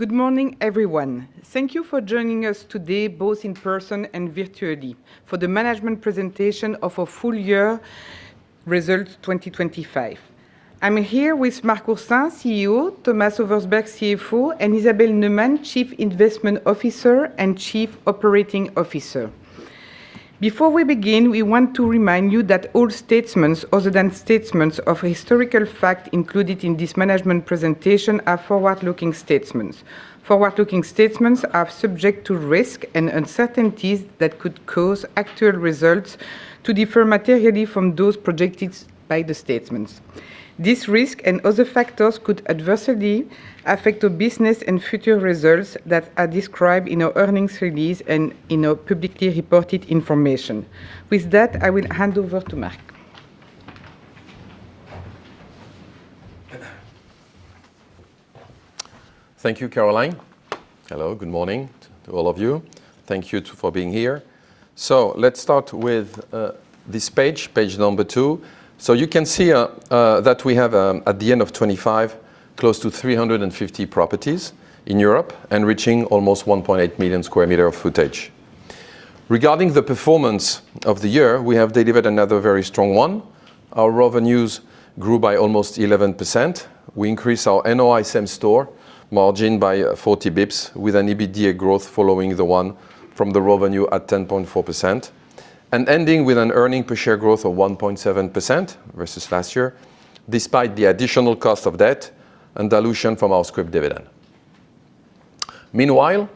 Good morning, everyone. Thank you for joining us today, both in person and virtually, for the management presentation of our full year results 2025. I'm here with Marc Oursin, CEO, Thomas Oversberg, CFO, and Isabel Neumann, Chief Investment Officer and Chief Operating Officer. Before we begin, we want to remind you that all statements other than statements of historical fact included in this management presentation are forward-looking statements. Forward-looking statements are subject to risks and uncertainties that could cause actual results to differ materially from those projected by the statements. These risks and other factors could adversely affect our business and future results that are described in our earnings release and in our publicly reported information. With that, I will hand over to Marc. Thank you, Caroline. Hello, good morning to all of you. Thank you for being here. Let's start with this page number 2. You can see that we have at the end of 2025, close to 350 properties in Europe, and reaching almost 1.8 million square meter of footage. Regarding the performance of the year, we have delivered another very strong one. Our revenues grew by almost 11%. We increased our NOI same-store margin by 40 bips, with an EBITDA growth following the one from the revenue at 10.4%, and ending with an earnings per share growth of 1.7% versus last year, despite the additional cost of debt and dilution from our scrip dividend. Meanwhile,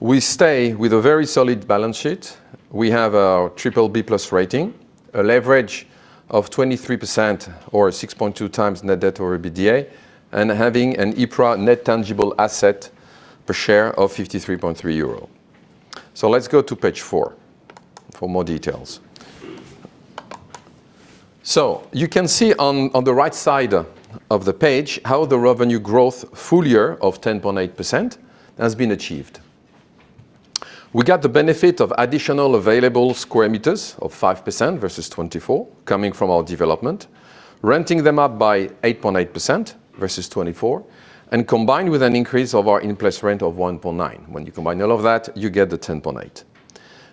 we stay with a very solid balance sheet. We have our BBB+ rating, a leverage of 23% or 6.2x net debt or EBITDA, and having an EPRA net tangible asset per share of 53.3 euro. Let's go to page 4 for more details. You can see on the right side of the page, how the revenue growth full year of 10.8% has been achieved. We got the benefit of additional available square meters of 5% versus 2024, coming from our development, renting them up by 8.8% versus 2024, and combined with an increase of our in-place rent of 1.9%. When you combine all of that, you get the 10.8%.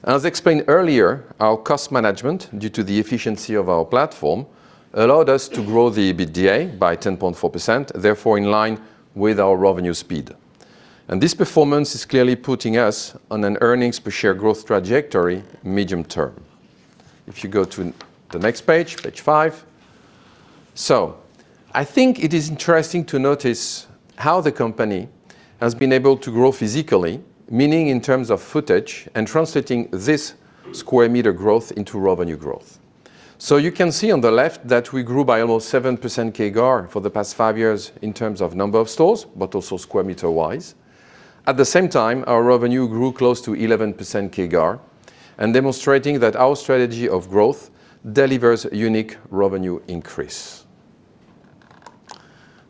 As explained earlier, our cost management, due to the efficiency of our platform, allowed us to grow the EBITDA by 10.4%, therefore in line with our revenue speed. This performance is clearly putting us on an earnings per share growth trajectory medium term. If you go to the next page 5. I think it is interesting to notice how the company has been able to grow physically, meaning in terms of footage, and translating this square meter growth into revenue growth. You can see on the left that we grew by almost 7% CAGR for the past five years in terms of number of stores, but also square meter-wise. At the same time, our revenue grew close to 11% CAGR, and demonstrating that our strategy of growth delivers unique revenue increase.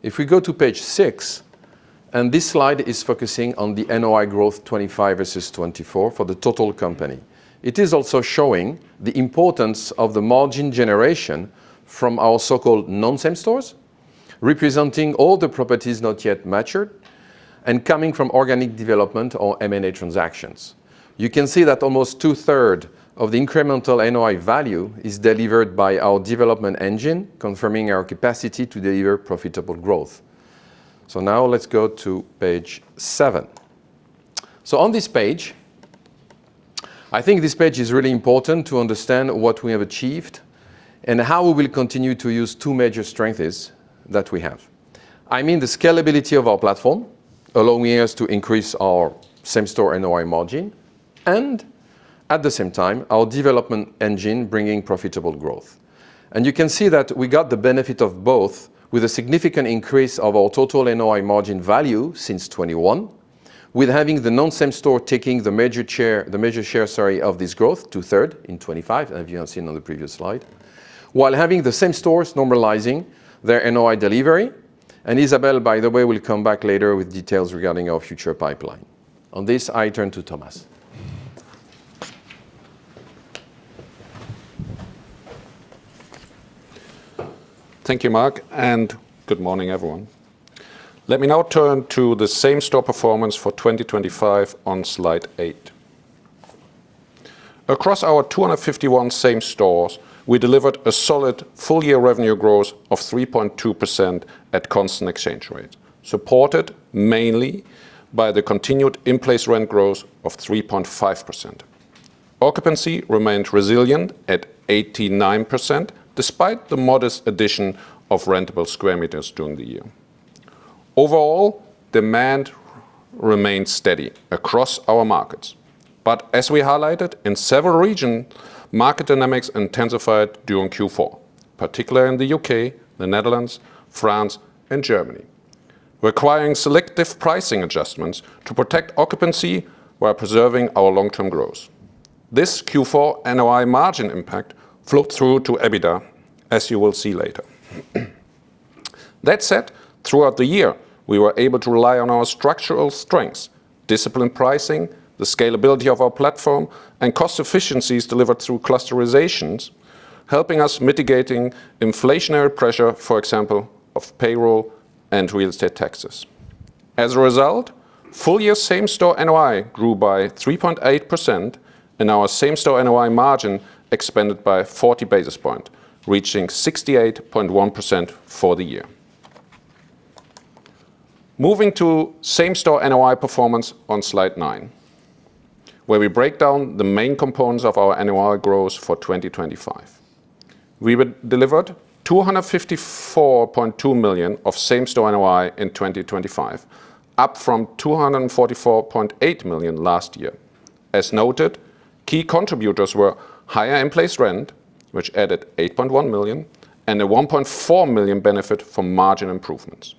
If we go to page 6, this slide is focusing on the NOI growth 25 versus 24 for the total company. It is also showing the importance of the margin generation from our so-called non-same-store stores, representing all the properties not yet matured and coming from organic development or M&A transactions. You can see that almost two-third of the incremental NOI value is delivered by our development engine, confirming our capacity to deliver profitable growth. Now let's go to page 7. On this page, I think this page is really important to understand what we have achieved and how we will continue to use two major strengths that we have. I mean, the scalability of our platform, allowing us to increase our same-store NOI margin, and at the same time, our development engine bringing profitable growth. You can see that we got the benefit of both with a significant increase of our total NOI margin value since 2021, with having the non-same-store taking the major share, sorry, of this growth, 2/3 in 2025, as you have seen on the previous slide. While having the same-store normalizing their NOI delivery, and Isabelle, by the way, will come back later with details regarding our future pipeline. On this, I turn to Thomas. Thank you, Marc. Good morning, everyone. Let me now turn to the same-store performance for 2025 on slide 8. Across our 251 same stores, we delivered a solid full-year revenue growth of 3.2% at constant exchange rates, supported mainly by the continued in-place rent growth of 3.5%. Occupancy remained resilient at 89%, despite the modest addition of rentable square meters during the year. Overall, demand remained steady across our markets, but as we highlighted, in several region, market dynamics intensified during Q4, particularly in the U.K., the Netherlands, France, and Germany, requiring selective pricing adjustments to protect occupancy while preserving our long-term growth. This Q4 NOI margin impact flowed through to EBITDA, as you will see later. That said, throughout the year, we were able to rely on our structural strengths disciplined pricing, the scalability of our platform, and cost efficiencies delivered through clustering, helping us mitigating inflationary pressure, for example, of payroll and real estate taxes. As a result, full year same-store NOI grew by 3.8%, and our same-store NOI margin expanded by 40 basis point, reaching 68.1% for the year. Moving to same-store NOI performance on slide 9, where we break down the main components of our NOI growth for 2025. We were delivered 254.2 million of same-store NOI in 2025, up from 244.8 million last year. As noted, key contributors were higher in-place rent, which added 8.1 million, and a 1.4 million benefit from margin improvements.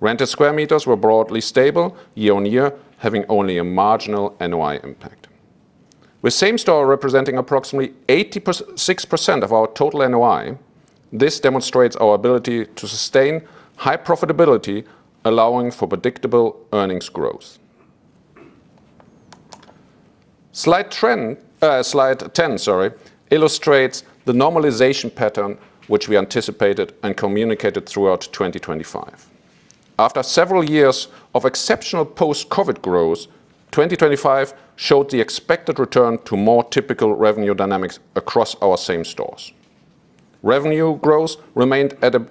Rented square meters were broadly stable year-on-year, having only a marginal NOI impact. With same-store representing approximately 86% of our total NOI, this demonstrates our ability to sustain high profitability, allowing for predictable earnings growth. Slide trend, slide 10, sorry, illustrates the normalization pattern, which we anticipated and communicated throughout 2025. After several years of exceptional post-COVID growth, 2025 showed the expected return to more typical revenue dynamics across our same-stores. Revenue growth remained at a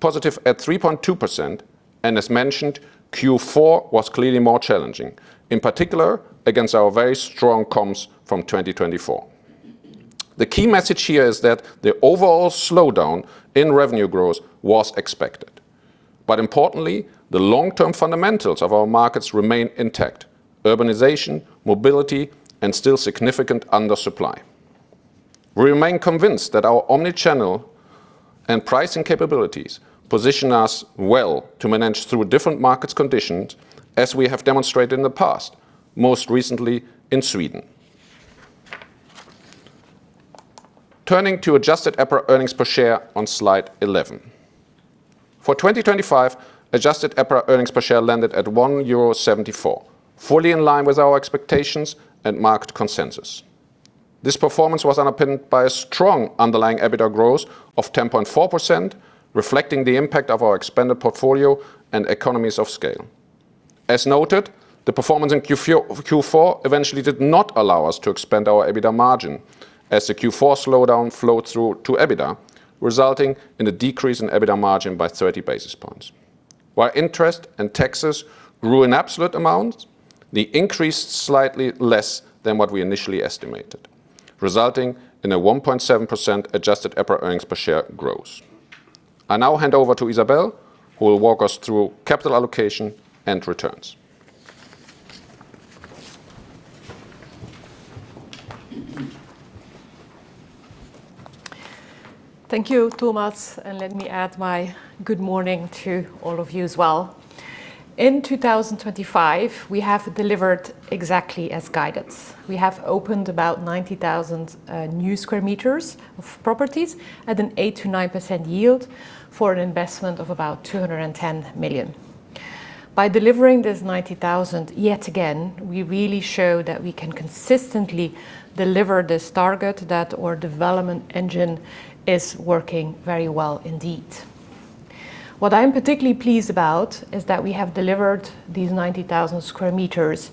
positive at 3.2%, and as mentioned, Q4 was clearly more challenging, in particular, against our very strong comms from 2024. The key message here is that the overall slowdown in revenue growth was expected. Importantly, the long-term fundamentals of our markets remain intact: urbanization, mobility, and still significant undersupply. We remain convinced that our omnichannel and pricing capabilities position us well to manage through different markets conditions, as we have demonstrated in the past, most recently in Sweden. Turning to adjusted EPRA earnings per share on slide 11. For 2025, adjusted EPRA earnings per share landed at 1.74 euro, fully in line with our expectations and market consensus. This performance was underpinned by a strong underlying EBITDA growth of 10.4%, reflecting the impact of our expanded portfolio and economies of scale. As noted, the performance in Q4 eventually did not allow us to expand our EBITDA margin, as the Q4 slowdown flowed through to EBITDA, resulting in a decrease in EBITDA margin by 30 basis points. Interest and taxes grew in absolute amounts, they increased slightly less than what we initially estimated, resulting in a 1.7% adjusted EPRA earnings per share growth. I now hand over to Isabel, who will walk us through capital allocation and returns. Thank you, Thomas, and let me add my good morning to all of you as well. In 2025, we have delivered exactly as guidance. We have opened about 90,000 new square meters of properties at an 8%-9% yield for an investment of about 210 million. By delivering this 90,000, yet again, we really show that we can consistently deliver this target, that our development engine is working very well indeed. What I am particularly pleased about is that we have delivered these 90,000 square meters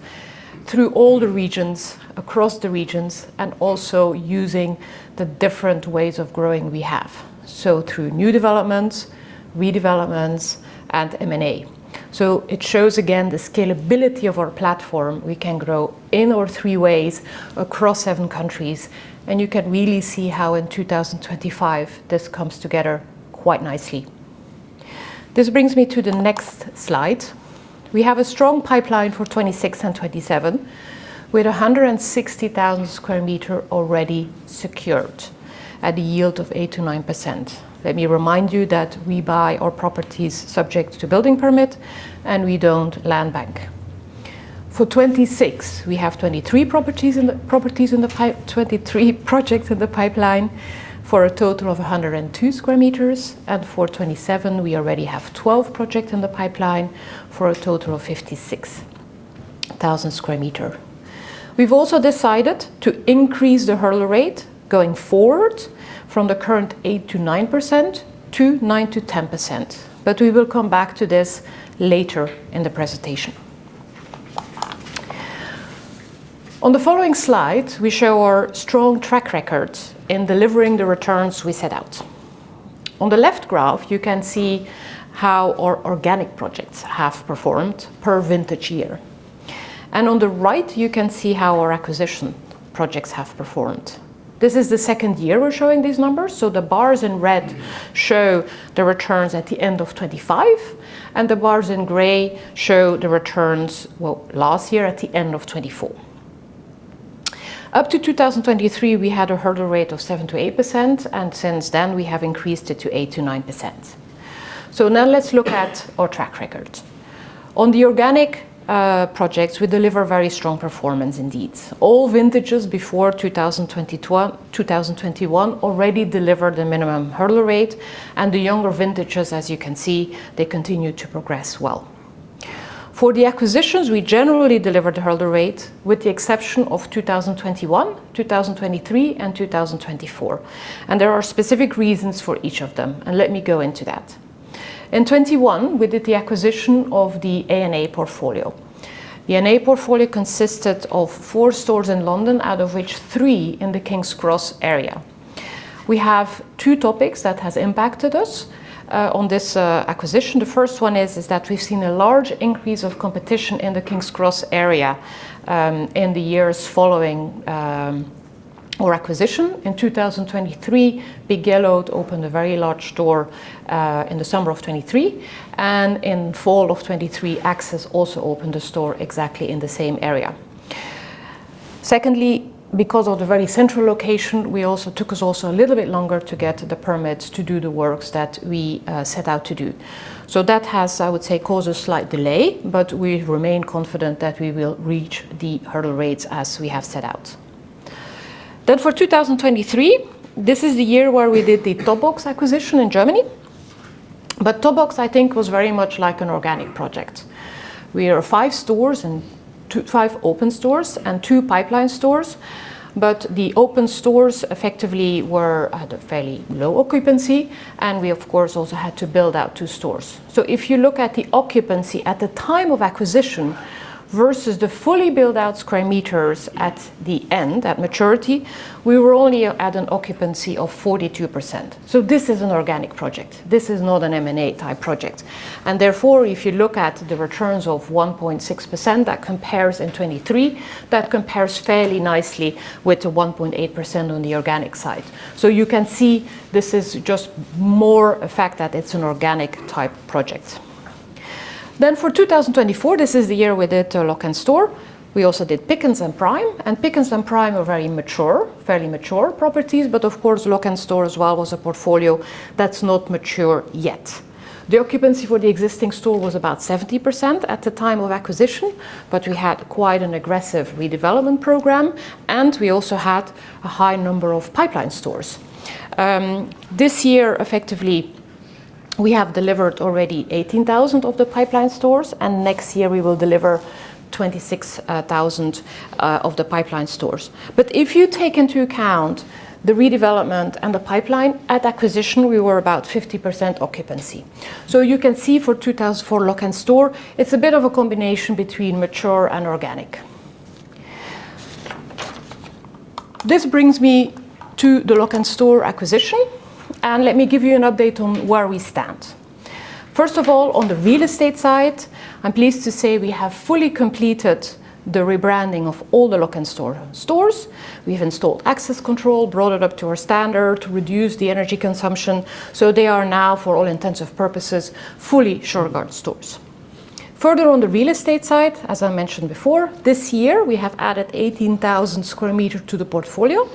through all the regions, across the regions, and also using the different ways of growing we have, so through new developments, redevelopments, and M&A. It shows again, the scalability of our platform. We can grow in all three ways across seven countries, and you can really see how in 2025, this comes together quite nicely. This brings me to the next slide. We have a strong pipeline for 2026 and 2027, with 160,000 square meter already secured at a yield of 8%-9%. Let me remind you that we buy our properties subject to building permit, and we don't land bank. For 2026, we have 23 projects in the pipeline, for a total of 102 square meters, and for 2027, we already have 12 projects in the pipeline, for a total of 56,000 square meter. We've also decided to increase the hurdle rate going forward from the current 8%-9% to 9%-10%. We will come back to this later in the presentation. On the following slide, we show our strong track record in delivering the returns we set out. On the left graph, you can see how our organic projects have performed per vintage year, and on the right, you can see how our acquisition projects have performed. This is the second year we're showing these numbers. The bars in red show the returns at the end of 2025, and the bars in gray show the returns, well, last year at the end of 2024. Up to 2023, we had a hurdle rate of 7%-8%. Since then, we have increased it to 8%-9%. Now let's look at our track record. On the organic projects, we deliver very strong performance indeed. All vintages before 2021 already delivered a minimum hurdle rate, and the younger vintages, as you can see, they continue to progress well. For the acquisitions, we generally delivered the hurdle rate, with the exception of 2021, 2023, and 2024. There are specific reasons for each of them, and let me go into that. In 2021, we did the acquisition of the A&A portfolio. The A&A portfolio consisted of four stores in London, out of which three in the King's Cross area. We have two topics that has impacted us on this acquisition. The first one is that we've seen a large increase of competition in the King's Cross area, in the years following our acquisition. In 2023, Big Yellow opened a very large store in the summer of 2023, in fall of 2023, Access also opened a store exactly in the same area. Secondly, because of the very central location, took us also a little bit longer to get the permits to do the works that we set out to do. That has, I would say, caused a slight delay, but we remain confident that we will reach the hurdle rates as we have set out. For 2023, this is the year where we did the Top Box acquisition in Germany. Top Box, I think, was very much like an organic project. We are five open stores and two pipeline stores, but the open stores effectively were at a fairly low occupancy, and we, of course, also had to build out two stores. If you look at the occupancy at the time of acquisition versus the fully built-out square meters at the end, at maturity, we were only at an occupancy of 42%. This is an organic project. This is not an M&A type project, and therefore, if you look at the returns of 1.6%, that compares in 2023, that compares fairly nicely with the 1.8% on the organic side. You can see this is just more a fact that it's an organic type project. For 2024, this is the year we did Lok'nStore. We also did Pickens and Prime. Pickens and Prime are very mature, fairly mature properties, but of course, Lok'nStore as well was a portfolio that's not mature yet. The occupancy for the existing store was about 70% at the time of acquisition, but we had quite an aggressive redevelopment program, and we also had a high number of pipeline stores. This year, effectively, we have delivered already 18,000 of the pipeline stores, and next year we will deliver 26,000 of the pipeline stores. If you take into account the redevelopment and the pipeline, at acquisition, we were about 50% occupancy. You can see for 2004, Lok'nStore, it's a bit of a combination between mature and organic. This brings me to the Lok'nStore acquisition. Let me give you an update on where we stand. On the real estate side, I'm pleased to say we have fully completed the rebranding of all the Lok'nStore stores. We've installed access control, brought it up to our standard to reduce the energy consumption, they are now, for all intents and purposes, fully Shurgard stores. Further on the real estate side, as I mentioned before, this year, we have added 18,000 square meter to the portfolio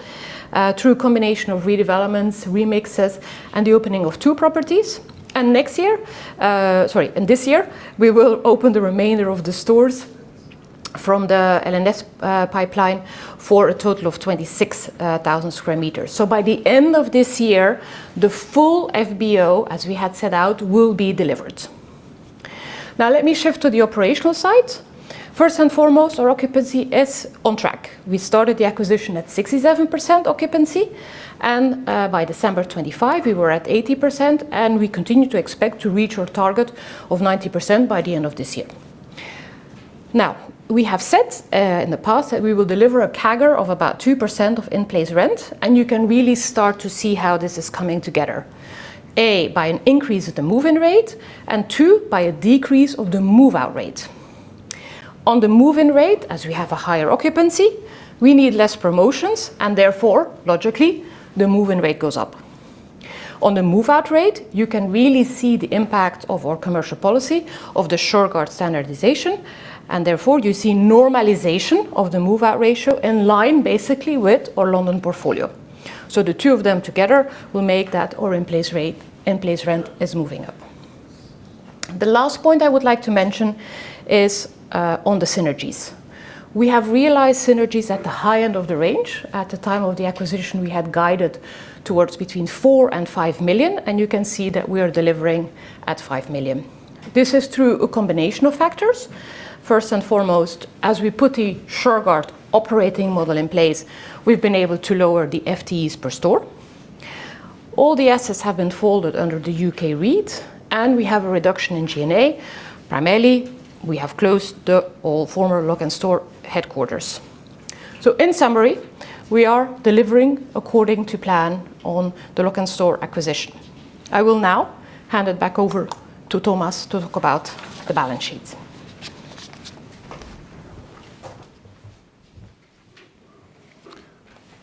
through a combination of redevelopments, remixes, and the opening of 2 properties. This year, we will open the remainder of the stores from the LNS pipeline for a total of 26,000 square meters. By the end of this year, the full FBO, as we had set out, will be delivered. Let me shift to the operational side. First and foremost, our occupancy is on track. We started the acquisition at 67% occupancy, and by December 25, we were at 80%, and we continue to expect to reach our target of 90% by the end of this year. Now, we have said in the past that we will deliver a CAGR of about 2% of in-place rent, and you can really start to see how this is coming together, A, by an increase of the move-in rate, and 2, by a decrease of the move-out rate. On the move-in rate, as we have a higher occupancy, we need less promotions, and therefore, logically, the move-in rate goes up. On the move-out rate, you can really see the impact of our commercial policy, of the Shurgard standardization, and therefore, you see normalization of the move-out ratio in line basically with our London portfolio. The two of them together will make that our in-place rate, in-place rent is moving up. The last point I would like to mention is on the synergies. We have realized synergies at the high end of the range. At the time of the acquisition, we had guided towards between 4 million and 5 million. You can see that we are delivering at 5 million. This is through a combination of factors. First and foremost, as we put the Shurgard operating model in place, we've been able to lower the FTEs per store. All the assets have been folded under the U.K. REIT. We have a reduction in G&A. Primarily, we have closed the all former Lok'nStore headquarters. In summary, we are delivering according to plan on the Lok'nStore acquisition. I will now hand it back over to Thomas to talk about the balance sheets.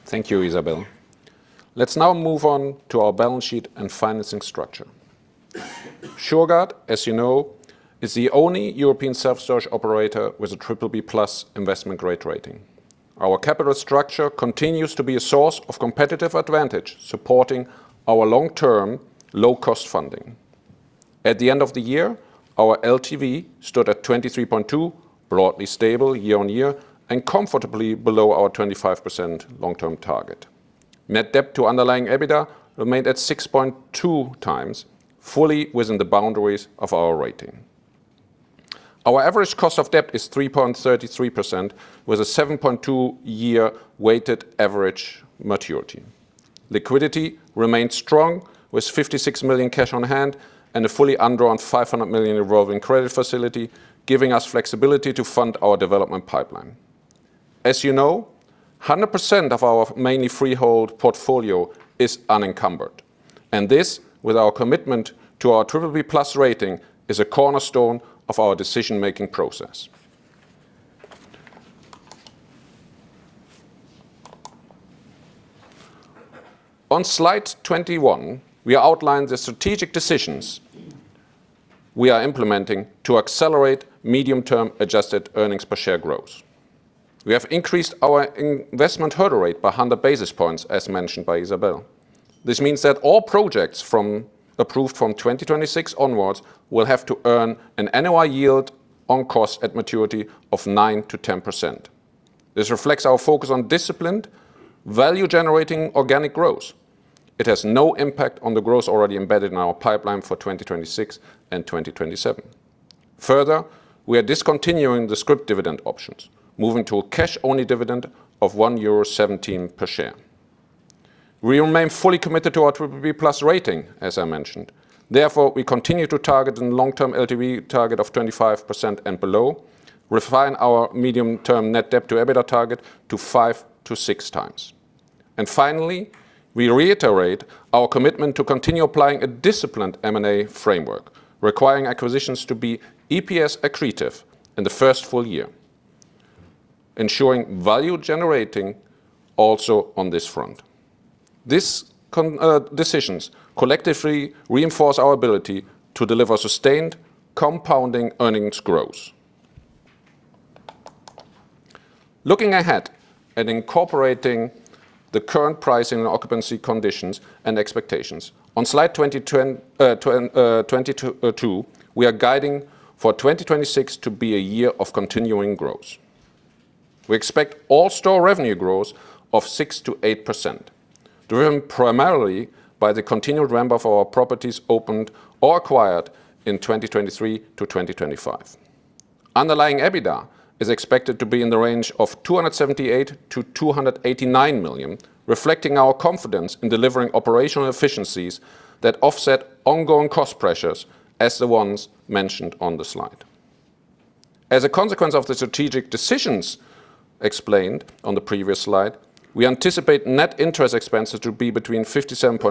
Thank you, Isabel. Let's now move on to our balance sheet and financing structure. Shurgard, as you know, is the only European self-storage operator with a BBB+ investment grade rating. Our capital structure continues to be a source of competitive advantage, supporting our long-term, low-cost funding. At the end of the year, our LTV stood at 23.2, broadly stable year on year and comfortably below our 25% long-term target. Net Debt to underlying EBITDA remained at 6.2x, fully within the boundaries of our rating. Our average cost of debt is 3.33%, with a 7.2 year weighted average maturity. Liquidity remains strong, with 56 million cash on hand and a fully undrawn 500 million revolving credit facility, giving us flexibility to fund our development pipeline. As you know, 100% of our mainly freehold portfolio is unencumbered, and this, with our commitment to our BBB+ rating, is a cornerstone of our decision-making process. On slide 21, we outline the strategic decisions we are implementing to accelerate medium-term adjusted earnings per share growth. We have increased our investment hurdle rate by 100 basis points, as mentioned by Isabel. This means that all projects approved from 2026 onwards will have to earn an NOI yield on cost at maturity of 9%-10%. This reflects our focus on disciplined, value-generating organic growth. It has no impact on the growth already embedded in our pipeline for 2026 and 2027. We are discontinuing the scrip dividend options, moving to a cash-only dividend of 1.17 euro per share. We remain fully committed to our BBB+ rating, as I mentioned. Therefore, we continue to target a long-term LTV target of 25% and below, refine our medium-term Net Debt to EBITDA target to 5-6x. Finally, we reiterate our commitment to continue applying a disciplined M&A framework, requiring acquisitions to be EPS accretive in the first full year, ensuring value generating also on this front. This decisions collectively reinforce our ability to deliver sustained compounding earnings growth. Looking ahead at incorporating the current pricing and occupancy conditions and expectations, on slide 22, we are guiding for 2026 to be a year of continuing growth. We expect all store revenue growth of 6%-8%, driven primarily by the continued ramp of our properties opened or acquired in 2023-2025. Underlying EBITDA is expected to be in the range of 278 million-289 million, reflecting our confidence in delivering operational efficiencies that offset ongoing cost pressures, as the ones mentioned on the slide. A consequence of the strategic decisions explained on the previous slide, we anticipate net interest expenses to be between 57.5 million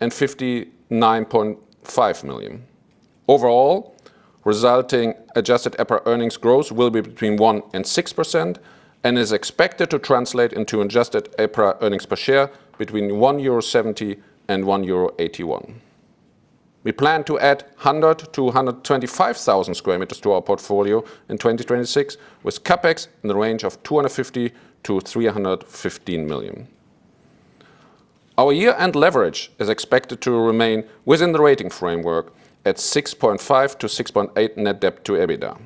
and 59.5 million. Resulting adjusted EPRA earnings growth will be between 1% and 6%, and is expected to translate into adjusted EPRA earnings per share between 1.70 euro and 1.81 euro. We plan to add 100,000-125,000 square meters to our portfolio in 2026, with CapEx in the range of 250 million-315 million. Our year-end leverage is expected to remain within the rating framework at 6.5-6.8 Net Debt to EBITDA.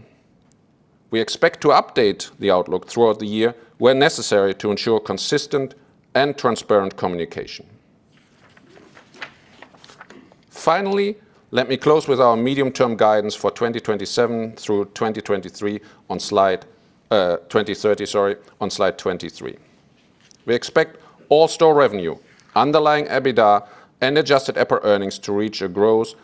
We expect to update the outlook throughout the year where necessary, to ensure consistent and transparent communication. Let me close with our medium-term guidance for 2027 through 2023 on slide 23. We expect all store revenue, underlying EBITDA, and adjusted EPRA earnings to reach a growth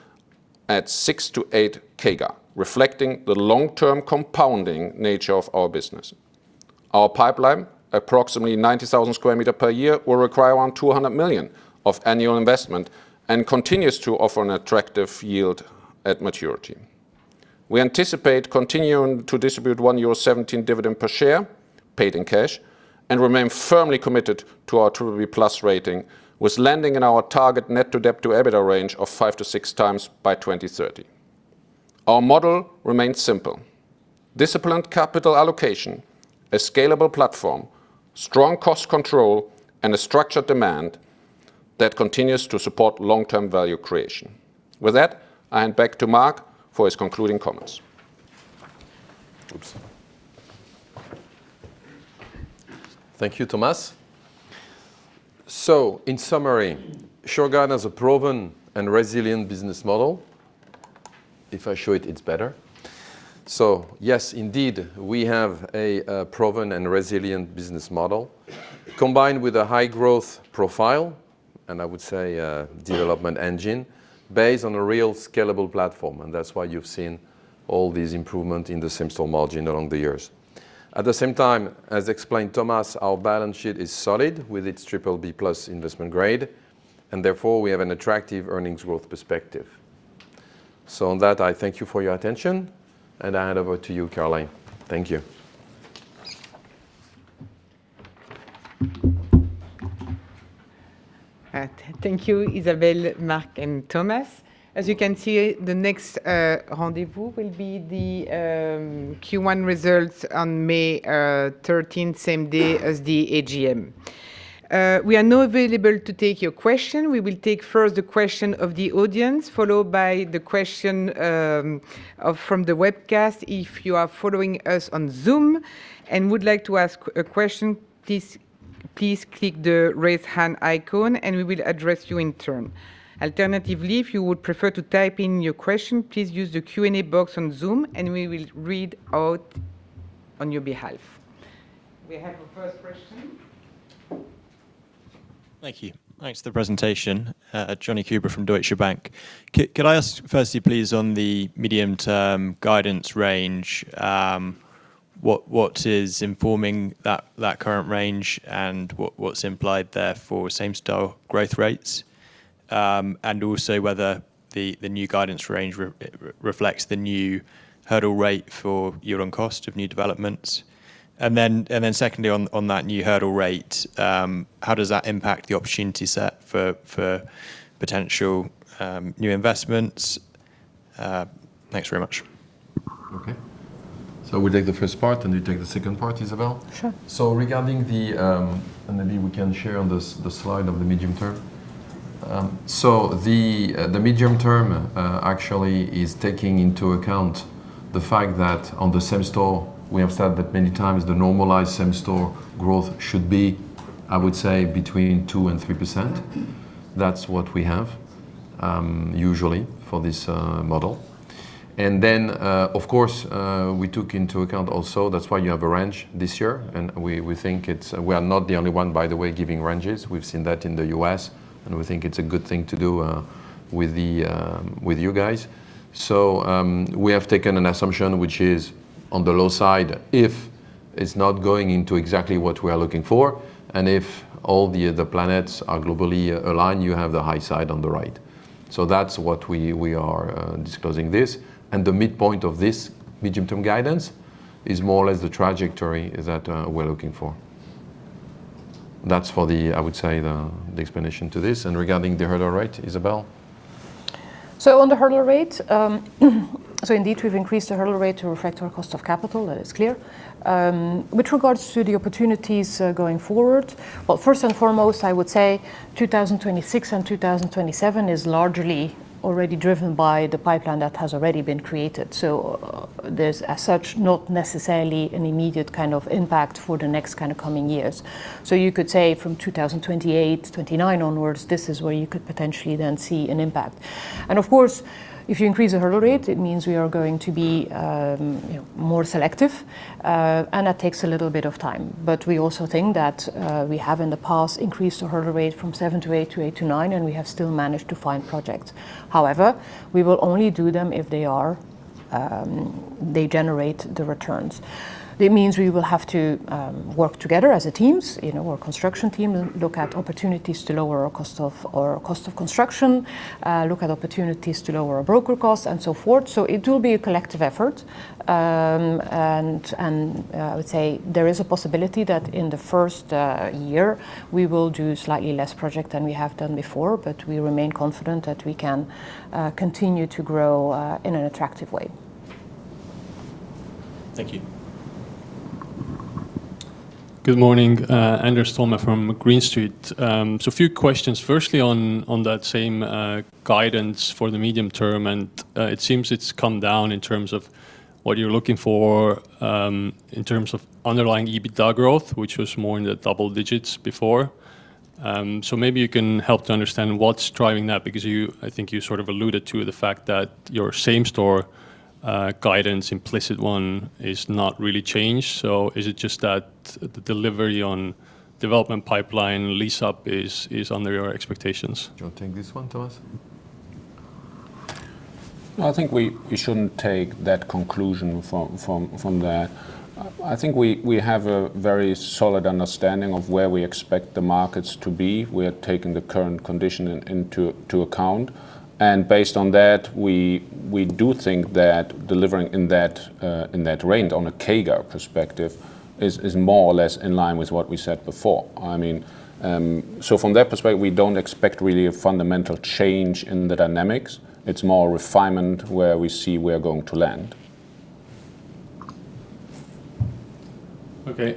at 6%-8% CAGR, reflecting the long-term compounding nature of our business. Our pipeline, approximately 90,000 square meter per year, will require around 200 million of annual investment and continues to offer an attractive yield at maturity. We anticipate continuing to distribute 1.17 euro dividend per share, paid in cash, and remain firmly committed to our BBB+ rating, with landing in our target Net Debt to EBITDA range of 5-6 times by 2030. Our model remains simple: disciplined capital allocation, a scalable platform, strong cost control, and a structured demand that continues to support long-term value creation. With that, I hand back to Marc for his concluding comments. Oops. Thank you, Thomas. In summary, Shurgard has a proven and resilient business model. If I show it's better. Yes, indeed, we have a proven and resilient business model, combined with a high growth profile, and I would say, a development engine based on a real scalable platform, and that's why you've seen all these improvement in the same-store margin along the years. At the same time, as explained Thomas, our balance sheet is solid, with its BBB+ investment grade, and therefore, we have an attractive earnings growth perspective. On that, I thank you for your attention, and I hand over to you, Caroline. Thank you. Thank you, Isabel, Marc, and Thomas. As you can see, the next rendezvous will be the Q1 results on May 13th, same day as the AGM. We are now available to take your question. We will take first the question of the audience, followed by the question from the webcast. If you are following us on Zoom and would like to ask a question, please. please click the raise hand ICON, and we will address you in turn. Alternatively, if you would prefer to type in your question, please use the Q&A box on Zoom, and we will read out on your behalf. We have the first question. Thank you. Thanks for the presentation. Johnny Huber from Deutsche Bank. Could I ask firstly, please, on the medium-term guidance range, what is informing that current range and what's implied there for same-store growth rates and also whether the new guidance range reflects the new hurdle rate for year-on cost of new developments? Secondly, on that new hurdle rate, how does that impact the opportunity set for potential new investments? Thanks very much. Okay. We take the first part, and you take the second part, Isabel? Sure. Regarding the slide of the medium term. The medium term actually is taking into account the fact that on the same-store, we have said that many times, the normalized same-store growth should be, I would say, between 2% and 3%. That's what we have usually for this model. Of course, we took into account also, that's why you have a range this year, and we think it's We are not the only one, by the way, giving ranges. We've seen that in the U.S., and we think it's a good thing to do with the with you guys. We have taken an assumption which is on the low side, if it's not going into exactly what we are looking for, and if all the other planets are globally aligned, you have the high side on the right. That's what we are disclosing this. The midpoint of this medium-term guidance is more or less the trajectory that we're looking for. That's for the, I would say, the explanation to this. Regarding the hurdle rate, Isabel? On the hurdle rate, indeed, we've increased the hurdle rate to reflect our cost of capital. That is clear. With regards to the opportunities, going forward, well, first and foremost, I would say 2026 and 2027 is largely already driven by the pipeline that has already been created. There's, as such, not necessarily an immediate kind of impact for the next kind of coming years. You could say from 2028, 2029 onwards, this is where you could potentially then see an impact. Of course, if you increase the hurdle rate, it means we are going to be more selective, and that takes a little bit of time. We also think that we have in the past increased the hurdle rate from seven to eight, to eight to nine, and we have still managed to find projects. We will only do them if they generate the returns. It means we will have to work together as a teams, you know, our construction team, and look at opportunities to lower our cost of construction, look at opportunities to lower our broker costs and so forth. It will be a collective effort. I would say there is a possibility that in the first year, we will do slightly less project than we have done before. We remain confident that we can continue to grow in an attractive way. Thank you. Good morning, Andres Toome from Green Street. A few questions. Firstly, on that same guidance for the medium term, it seems it's come down in terms of what you're looking for in terms of underlying EBITDA growth, which was more in the double digits before. Maybe you can help to understand what's driving that, because you, I think you sort of alluded to the fact that your same-store guidance, implicit one, is not really changed. Is it just that the delivery on development pipeline lease up is under your expectations? Do you want to take this one, Thomas? Well, I think we shouldn't take that conclusion from that. I think we have a very solid understanding of where we expect the markets to be. We are taking the current condition into account. Based on that, we do think that delivering in that range, on a CAGR perspective, is more or less in line with what we said before. I mean, from that perspective, we don't expect really a fundamental change in the dynamics. It's more refinement where we see we're going to land. Okay.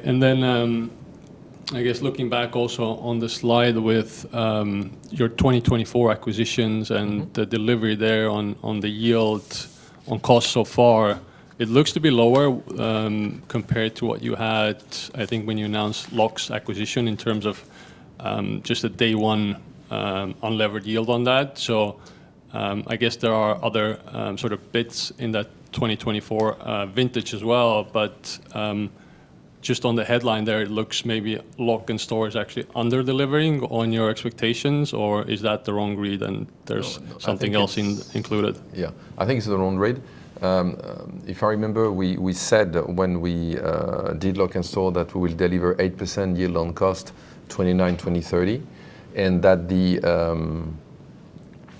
I guess looking back also on the slide with your 2024 acquisitions. Mm-hmm. The delivery there on the yield on cost so far, it looks to be lower, compared to what you had, I think, when you announced Lok'nStore's acquisition in terms of, just the day one, unlevered yield on that. I guess there are other, sort of bits in that 2024 vintage as well. Just on the headline there, it looks maybe Lok'nStore is actually under delivering on your expectations, or is that the wrong read? No, I think it's- something else in included? Yeah. I think it's the wrong read. If I remember, we said when we did Lok'nStore, that we will deliver 8% yield on cost, 2029, 2030, and that the...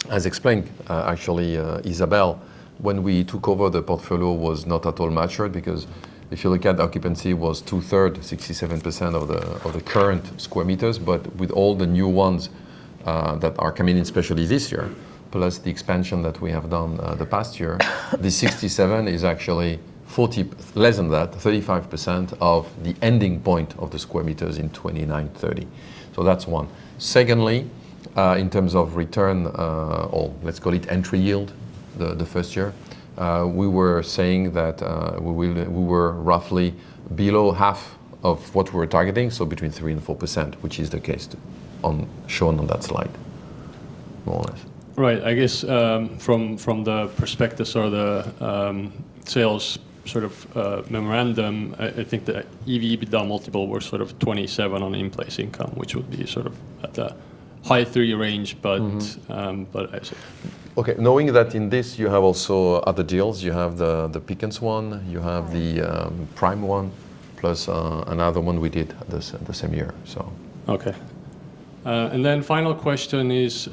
As explained, actually, Isabel, when we took over, the portfolio was not at all matured because if you look at occupancy was two-thirds, 67% of the, of the current square meters. With all the new ones that are coming in, especially this year, plus the expansion that we have done the past year, the 67 is actually 40... less than that, 35% of the ending point of the square meters in 2029, 2030. That's one. Secondly, in terms of return, or let's call it entry yield, the first year, we were saying that, we were roughly below half of what we were targeting, so between 3% and 4%, which is the case shown on that slide, more or less. Right. I guess, from the prospectus or the sales sort of memorandum, I think the EV/EBITDA multiple were sort of 27 on the in-place income, which would be sort of at the high 30 range. Mm-hmm. I see. Okay. Knowing that in this you have also other deals, you have the Pickens one, you have the, Prime one, plus, another one we did the same year, so. Okay. Then final question is,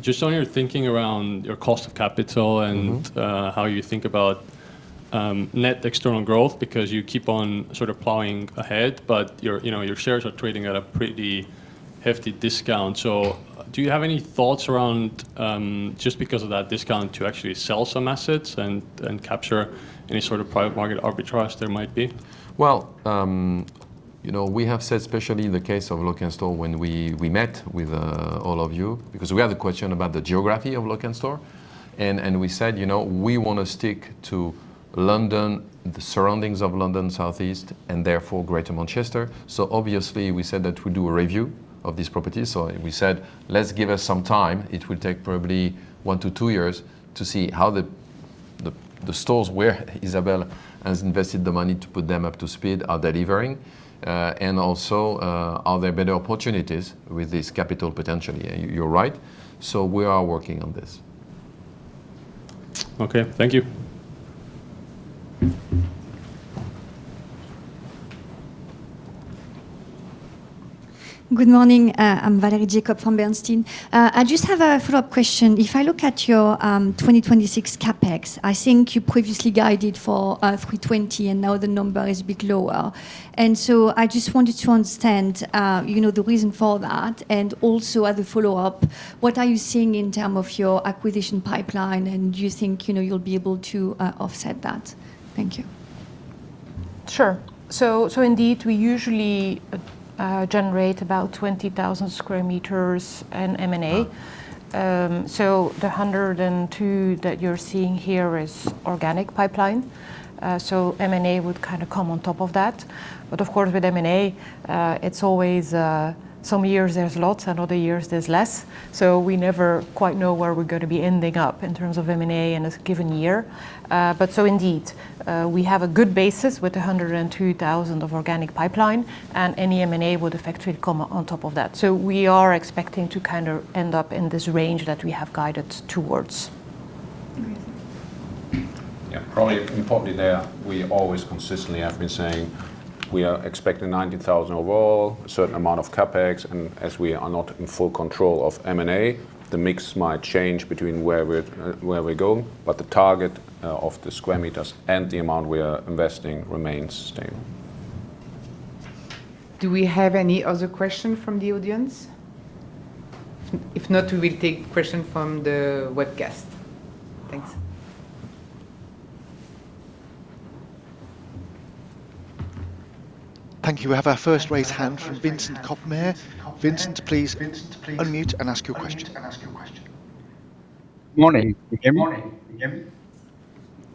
just on your thinking around your cost of capital. Mm-hmm... how you think about, net external growth, because you keep on sort of plowing ahead, but your, you know, your shares are trading at a pretty hefty discount. Do you have any thoughts around, just because of that discount, to actually sell some assets and capture any sort of private market arbitrage there might be? You know, we have said, especially in the case of Lok'nStore, when we met with all of you, because we had a question about the geography of Lok'nStore, we said, "You know, we want to stick to London, the surroundings of London, Southeast, and therefore Greater Manchester." Obviously, we said that we'd do a review of these properties. We said, "Let's give us some time. It will take probably one to two years to see how the stores where Isabel has invested the money to put them up to speed are delivering, and also, are there better opportunities with this capital potentially?" You're right. We are working on this. Okay. Thank you. Good morning, I'm Valerie Jacob from Bernstein. I just have a follow-up question. If I look at your 2026 CapEx, I think you previously guided for 320. Now the number is a bit lower. I just wanted to understand, you know, the reason for that. As a follow-up, what are you seeing in terms of your acquisition pipeline, and do you think, you know, you'll be able to offset that? Thank you. Sure. Indeed, we usually generate about 20,000 square meters in M&A. The 102 that you're seeing here is organic pipeline. M&A would kind of come on top of that. Of course, with M&A, it's always some years there's lots, and other years there's less. We never quite know where we're gonna be ending up in terms of M&A in a given year. Indeed, we have a good basis with 102,000 of organic pipeline, and any M&A would effectively come on top of that. We are expecting to kind of end up in this range that we have guided towards. Great. Probably importantly there, we always consistently have been saying we are expecting 90,000 overall, a certain amount of CapEx, and as we are not in full control of M&A, the mix might change between where we're, where we go, but the target of the square meters and the amount we are investing remains stable. Do we have any other question from the audience? If not, we will take question from the webcast. Thanks. Thank you. We have our first raised hand from Vincent Koppmair. Vincent, please unmute and ask your question. Good morning. Can you hear me?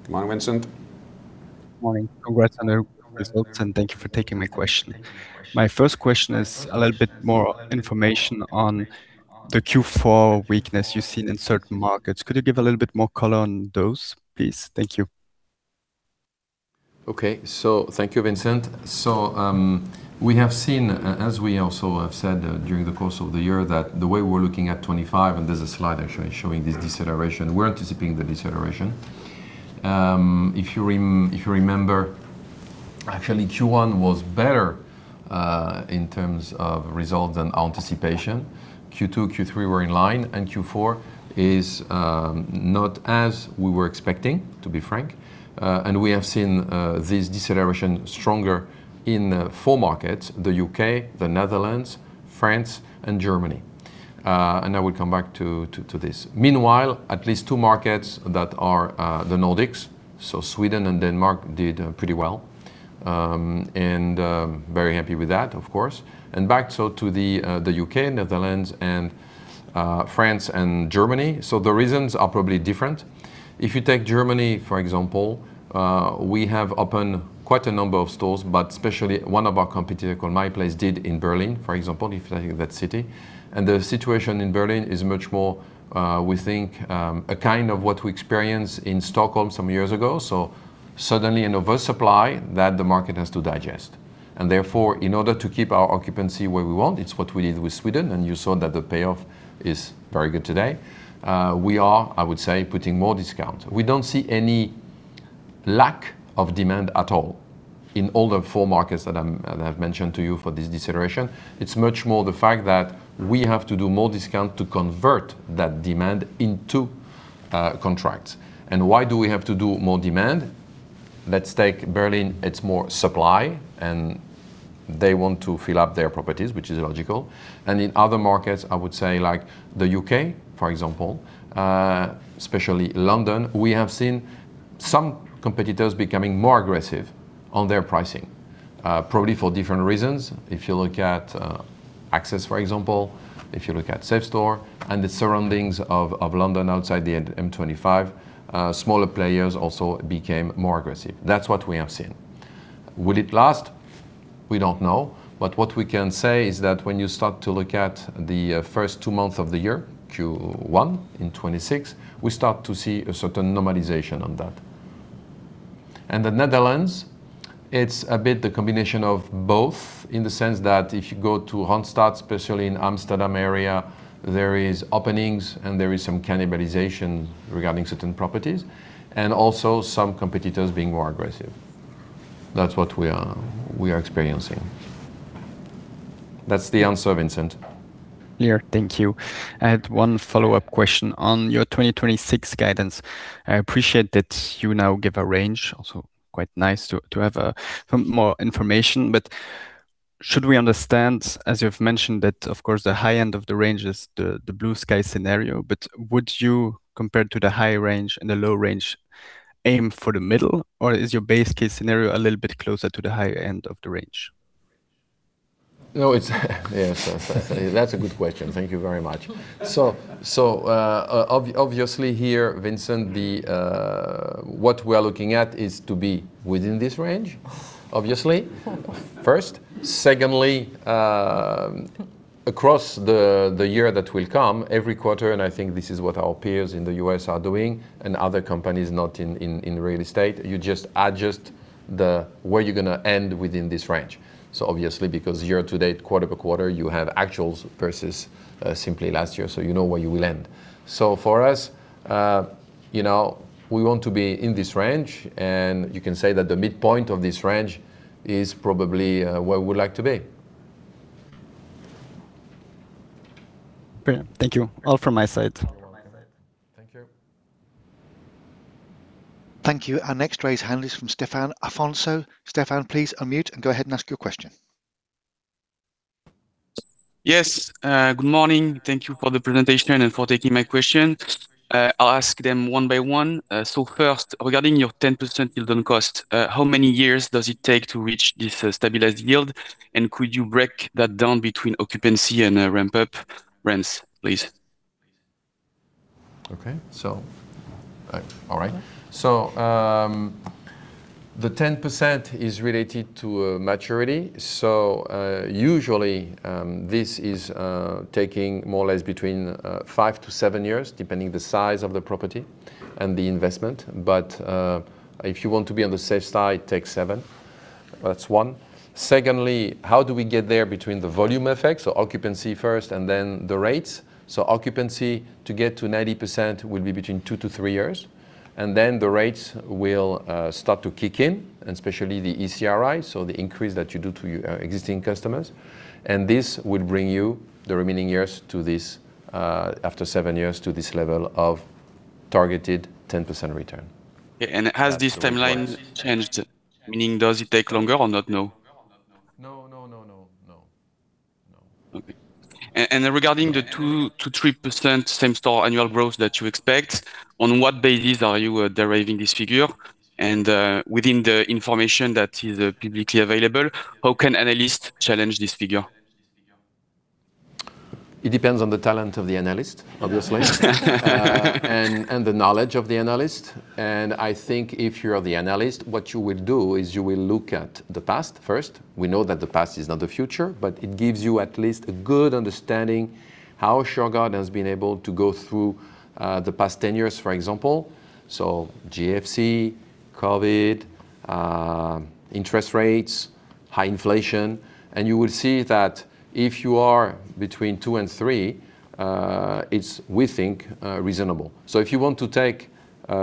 Good morning, Vincent. Good morning. Congrats on the results. Thank you for taking my question. My first question is a little bit more information on the Q4 weakness you've seen in certain markets. Could you give a little bit more color on those, please? Thank you. Okay. Thank you, Vincent. We have seen, as we also have said, during the course of the year, that the way we're looking at 25, and there's a slide actually showing this deceleration, we're anticipating the deceleration. If you remember, actually, Q1 was better in terms of results than anticipation. Q2, Q3 were in line, and Q4 is not as we were expecting, to be frank. We have seen this deceleration stronger in four markets: the U.K., the Netherlands, France, and Germany. I will come back to this. Meanwhile, at least two markets that are the Nordics, so Sweden and Denmark, did pretty well. Very happy with that, of course. Back, so to the U.K., Netherlands, and France and Germany. The reasons are probably different. If you take Germany, for example, we have opened quite a number of stores, but especially one of our competitor called MyPlace did in Berlin, for example, if you think of that city. The situation in Berlin is much more, we think, a kind of what we experienced in Stockholm some years ago. Suddenly, an oversupply that the market has to digest. Therefore, in order to keep our occupancy where we want, it's what we did with Sweden, and you saw that the payoff is very good today, we are, I would say, putting more discount. We don't see any lack of demand at all in all the four markets that I've mentioned to you for this deceleration. It's much more the fact that we have to do more discount to convert that demand into contracts. Why do we have to do more demand? Let's take Berlin, it's more supply, and they want to fill up their properties, which is logical. In other markets, I would say, like the U.K., for example, especially London, we have seen some competitors becoming more aggressive on their pricing, probably for different reasons. If you look at Access, for example, if you look at Safestore and the surroundings of London outside the M25, smaller players also became more aggressive. That's what we have seen. Will it last? We don't know. What we can say is that when you start to look at the first two months of the year, Q1 in 2026, we start to see a certain normalization on that. The Netherlands, it's a bit the combination of both, in the sense that if you go to Randstad, especially in Amsterdam area, there is openings, and there is some cannibalization regarding certain properties, and also some competitors being more aggressive. That's what we are experiencing. That's the answer, Vincent. Clear. Thank you. I had one follow-up question on your 2026 guidance. I appreciate that you now give a range, also quite nice to have some more information. Should we understand, as you've mentioned, that, of course, the high end of the range is the blue sky scenario, but would you, compared to the high range and the low range, aim for the middle, or is your base case scenario a little bit closer to the higher end of the range? No, it's. Yes, that's a good question. Thank you very much. Obviously here, Vincent, what we are looking at is to be within this range, obviously, first. Secondly, across the year that will come, every quarter, I think this is what our peers in the U.S. are doing and other companies not in real estate, you just adjust where you're going to end within this range. Obviously, because year to date, quarter by quarter, you have actuals versus simply last year, you know where you will end. For us, you know, we want to be in this range, you can say that the midpoint of this range is probably where we would like to be. Brilliant. Thank you. All from my side. Thank you. Thank you. Our next raised hand is from Stéphane Alfonso. Stéphane, please unmute and go ahead and ask your question. Yes, good morning. Thank you for the presentation and for taking my question. I'll ask them one by one. First, regarding your 10% yield on cost, how many years does it take to reach this stabilized yield? Could you break that down between occupancy and ramp up rents, please? The 10% is related to maturity. Usually, this is taking more or less between five to seven years, depending the size of the property and the investment. If you want to be on the safe side, take seven. That's one. Secondly, how do we get there between the volume effect, so occupancy first and then the rates? Occupancy, to get to 90% will be between two to three years, and then the rates will start to kick in, and especially the ECRI, so the increase that you do to your existing customers. This would bring you the remaining years to this, after seven years, to this level of targeted 10% return. Yeah, has this timeline changed? Meaning, does it take longer or not now? No, no, no. No. Okay. And regarding the 2%-3% same-store annual growth that you expect, on what basis are you deriving this figure? Within the information that is publicly available, how can analysts challenge this figure? It depends on the talent of the analyst, obviously. and the knowledge of the analyst. I think if you're the analyst, what you will do is you will look at the past first. We know that the past is not the future, but it gives you at least a good understanding how Shurgard has been able to go through the past 10 years, for example. GFC, COVID, interest rates, high inflation, and you will see that if you are between two and three, it's, we think, reasonable. If you want to take,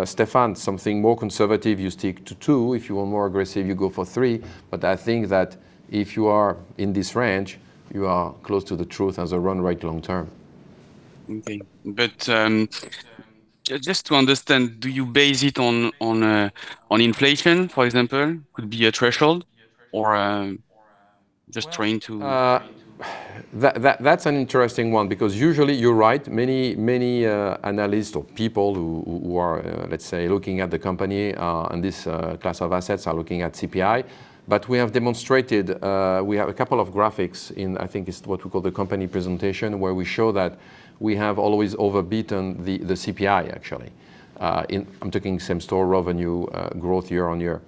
Stéphane, something more conservative, you stick to two. If you are more aggressive, you go for three. I think that if you are in this range, you are close to the truth as a run rate long term. Okay. just to understand, do you base it on inflation, for example, could be a threshold or? That's an interesting one because usually, you're right, many analysts or people who are, let's say, looking at the company, and this class of assets are looking at CPI. We have demonstrated, we have a couple of graphics in, I think it's what we call the company presentation, where we show that we have always overbeaten the CPI, actually. I'm talking same-store revenue, growth year-over-year.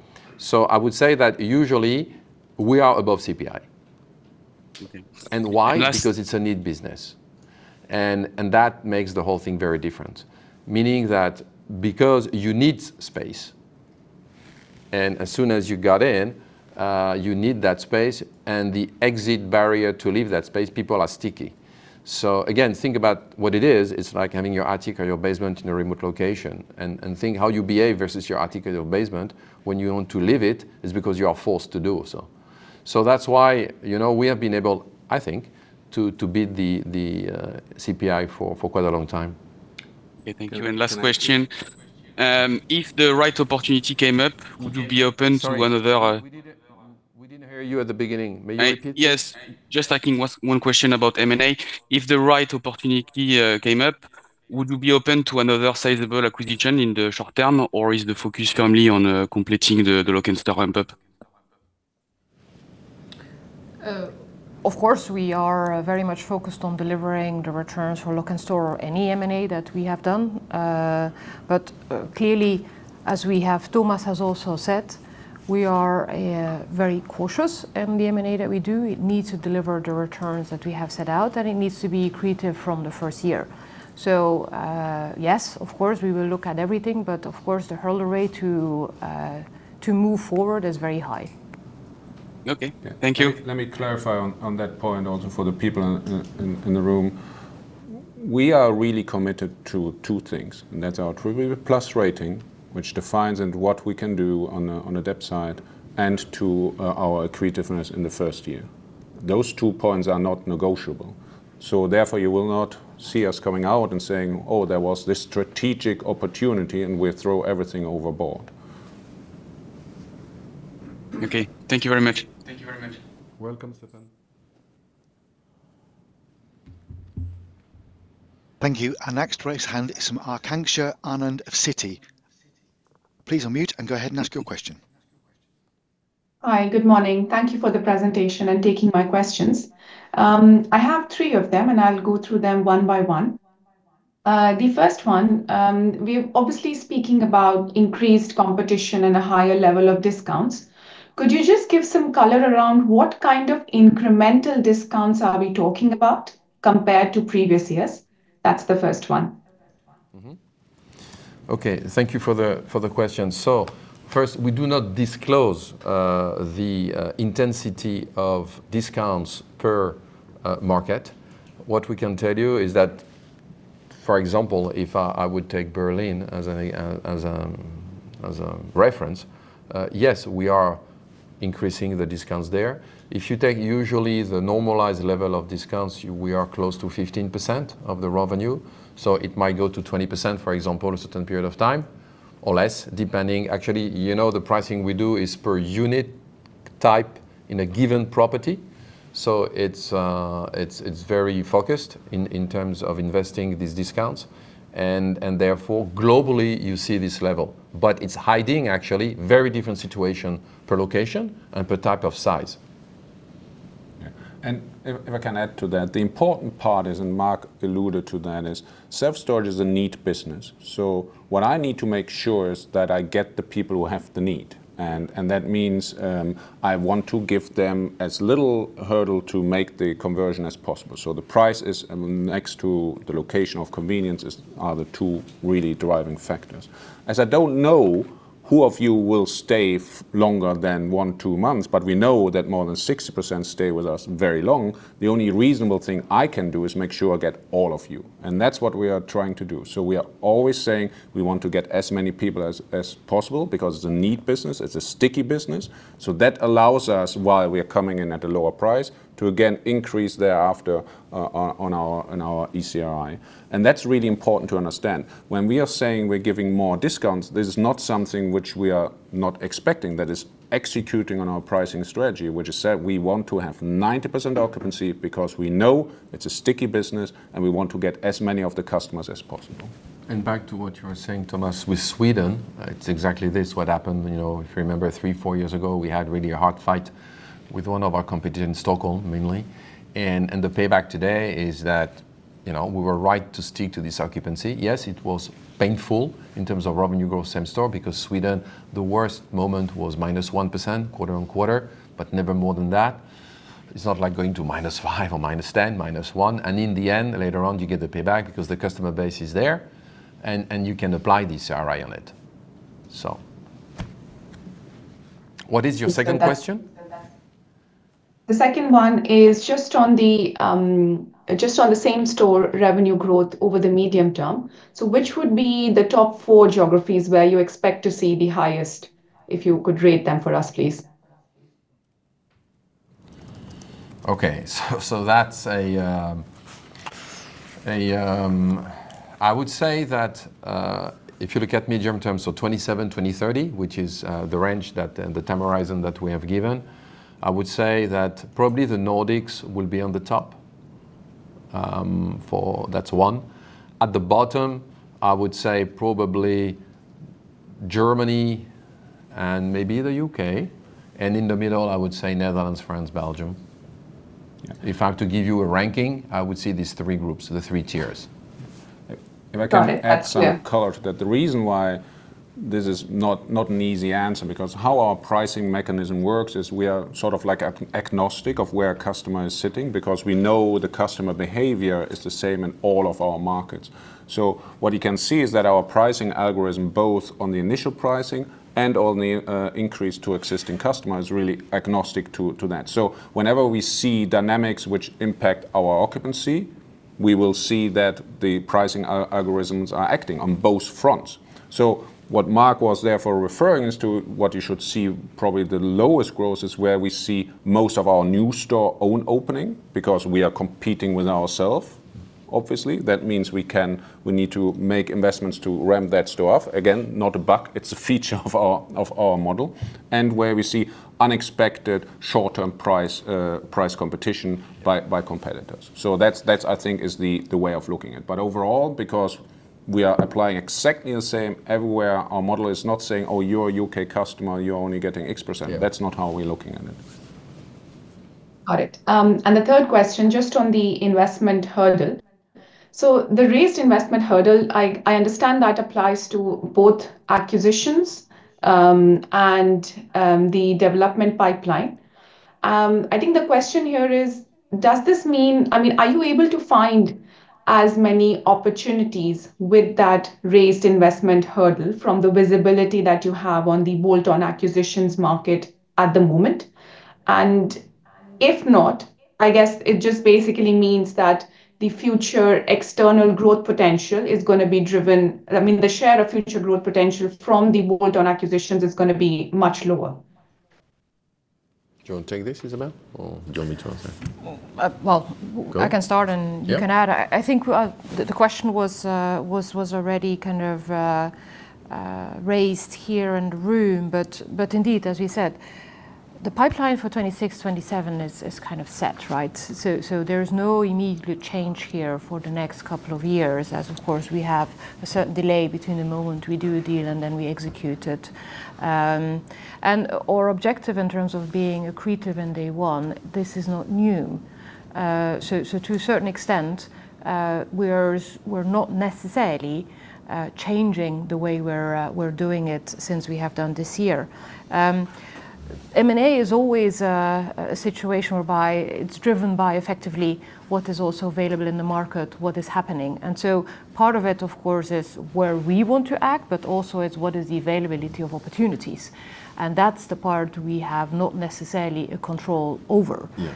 I would say that usually we are above CPI. Okay. Why? Less- Because it's a need business, and that makes the whole thing very different. Meaning that because you need space, and as soon as you got in, you need that space and the exit barrier to leave that space, people are sticky. Again, think about what it is. It's like having your attic or your basement in a remote location, and think how you behave versus your attic or your basement. When you want to leave it's because you are forced to do so. That's why, you know, we have been able, I think, to beat the CPI for quite a long time. Okay, thank you. Last question. If the right opportunity came up, would you be open to another? I hear you at the beginning. May you repeat? Yes. Just I think one question about M&A. If the right opportunity came up, would you be open to another sizable acquisition in the short term, or is the focus firmly on completing the Lok'nStore ramp-up? Of course, we are very much focused on delivering the returns for Lok'nStore or any M&A that we have done. Clearly, as we have, Thomas has also said, we are very cautious in the M&A that we do. It needs to deliver the returns that we have set out, and it needs to be creative from the first year. Yes, of course, we will look at everything, but of course, the hurdle rate to move forward is very high. Okay. Thank you. Let me clarify on that point also for the people in the room. We are really committed to two things, and that's our AAA+ rating, which defines and what we can do on a debt side and to our creativeness in the first year. Those two points are not negotiable. Therefore, you will not see us coming out and saying, "Oh, there was this strategic opportunity, and we throw everything overboard. Okay. Thank you very much. Thank you very much. Welcome, Stéphane. Thank you, our next raised hand is from Akanksha Anand of Citi. Please unmute and go ahead and ask your question. Hi, good morning. Thank you for the presentation and taking my questions. I have three of them, and I'll go through them one by one. The first one, we're obviously speaking about increased competition and a higher level of discounts. Could you just give some color around what kind of incremental discounts are we talking about compared to previous years? That's the first one. Okay, thank you for the question. First, we do not disclose the intensity of discounts per market. What we can tell you is that, for example, if I would take Berlin as a reference, yes, we are increasing the discounts there. If you take usually the normalized level of discounts, we are close to 15% of the revenue, so it might go to 20%, for example, a certain period of time or less, depending. Actually, you know, the pricing we do is per unit type in a given property. It's very focused in terms of investing these discounts, and therefore, globally, you see this level, but it's hiding actually very different situation per location and per type of size. Yeah. If I can add to that, the important part is, Marc alluded to that, self-storage is a need business. What I need to make sure is that I get the people who have the need, and that means, I want to give them as little hurdle to make the conversion as possible. The price is next to the location of convenience are the two really driving factors. I don't know who of you will stay longer than one, two months, but we know that more than 60% stay with us very long. The only reasonable thing I can do is make sure I get all of you, and that's what we are trying to do. We are always saying we want to get as many people as possible because it's a need business, it's a sticky business. That allows us, while we are coming in at a lower price, to again, increase thereafter on our ECRI. That's really important to understand. When we are saying we're giving more discounts, this is not something which we are not expecting. That is executing on our pricing strategy, which is said we want to have 90% occupancy because we know it's a sticky business, and we want to get as many of the customers as possible. Back to what you were saying, Thomas, with Sweden, it's exactly this, what happened. You know, if you remember, three, four years ago, we had really a hard fight with one of our competitors in Stockholm, mainly. The payback today is that, you know, we were right to stick to this occupancy. Yes, it was painful in terms of revenue growth, same-store, because Sweden, the worst moment was -1% quarter-on-quarter, but never more than that. It's not like going to -5 or -10, -1, and in the end, later on, you get the payback because the customer base is there, and you can apply the CRI on it. What is your second question? The second one is just on the, just on the same-store revenue growth over the medium term. Which would be the top 4 geographies where you expect to see the highest, if you could rate them for us, please? I would say that if you look at medium term, so 2027, 2030, which is the range that, and the time horizon that we have given, I would say that probably the Nordics will be on the top, for, that's one. At the bottom, I would say probably Germany and maybe the U.K., in the middle, I would say Netherlands, France, Belgium. Yeah. If I have to give you a ranking, I would say these three groups, the three tiers. If I can- Got it. Yeah.... add some color to that. The reason why this is not an easy answer, because how our pricing mechanism works is we are sort of like agnostic of where a customer is sitting, because we know the customer behavior is the same in all of our markets. What you can see is that our pricing algorithm, both on the initial pricing and on the increase to existing customer, is really agnostic to that. Whenever we see dynamics which impact our occupancy, we will see that the pricing algorithms are acting on both fronts. What Marc was therefore referring is to what you should see, probably the lowest growth is where we see most of our new store own opening, because we are competing with ourself.... obviously, that means we need to make investments to ramp that store off. Again, not a bug, it's a feature of our model, and where we see unexpected short-term price competition by competitors. That's I think is the way of looking at it. But overall, because we are applying exactly the same everywhere, our model is not saying, "Oh, you're a U.K. customer, you're only getting X%. Yeah. That's not how we're looking at it. Got it. The third question, just on the investment hurdle. The raised investment hurdle, I understand that applies to both acquisitions and the development pipeline. I think the question here is, I mean, are you able to find as many opportunities with that raised investment hurdle from the visibility that you have on the bolt-on acquisitions market at the moment? If not, I guess it just basically means that the future external growth potential is gonna be driven... I mean, the share of future growth potential from the bolt-on acquisitions is gonna be much lower. Do you want to take this, Isabel, or do you want me to answer? Well. Go I can start. Yeah... you can add. I think, the question was already kind of raised here in the room. Indeed, as we said, the pipeline for 2026, 2027 is kind of set, right? There is no immediate change here for the next couple of years, as of course, we have a certain delay between the moment we do a deal and then we execute it. Our objective in terms of being accretive in day one, this is not new. To a certain extent, we're not necessarily changing the way we're doing it since we have done this year. M&A is always a situation whereby it's driven by effectively what is also available in the market, what is happening. Part of it, of course, is where we want to act, but also it's what is the availability of opportunities. That's the part we have not necessarily a control over. Yeah.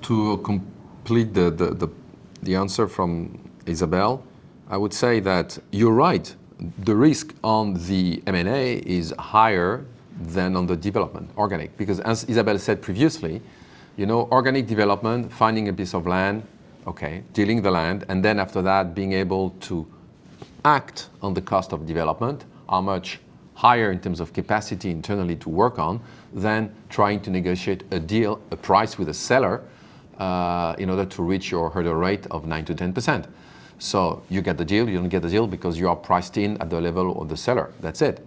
To complete the answer from Isabel I would say that you're right, the risk on the M&A is higher than on the development, organic. As Isabel said previously, you know, organic development, finding a piece of land, okay, dealing the land, and then after that, being able to act on the cost of development, are much higher in terms of capacity internally to work on than trying to negotiate a deal, a price with a seller in order to reach your hurdle rate of 9%-10%. You get the deal, you don't get the deal because you are priced in at the level of the seller. That's it.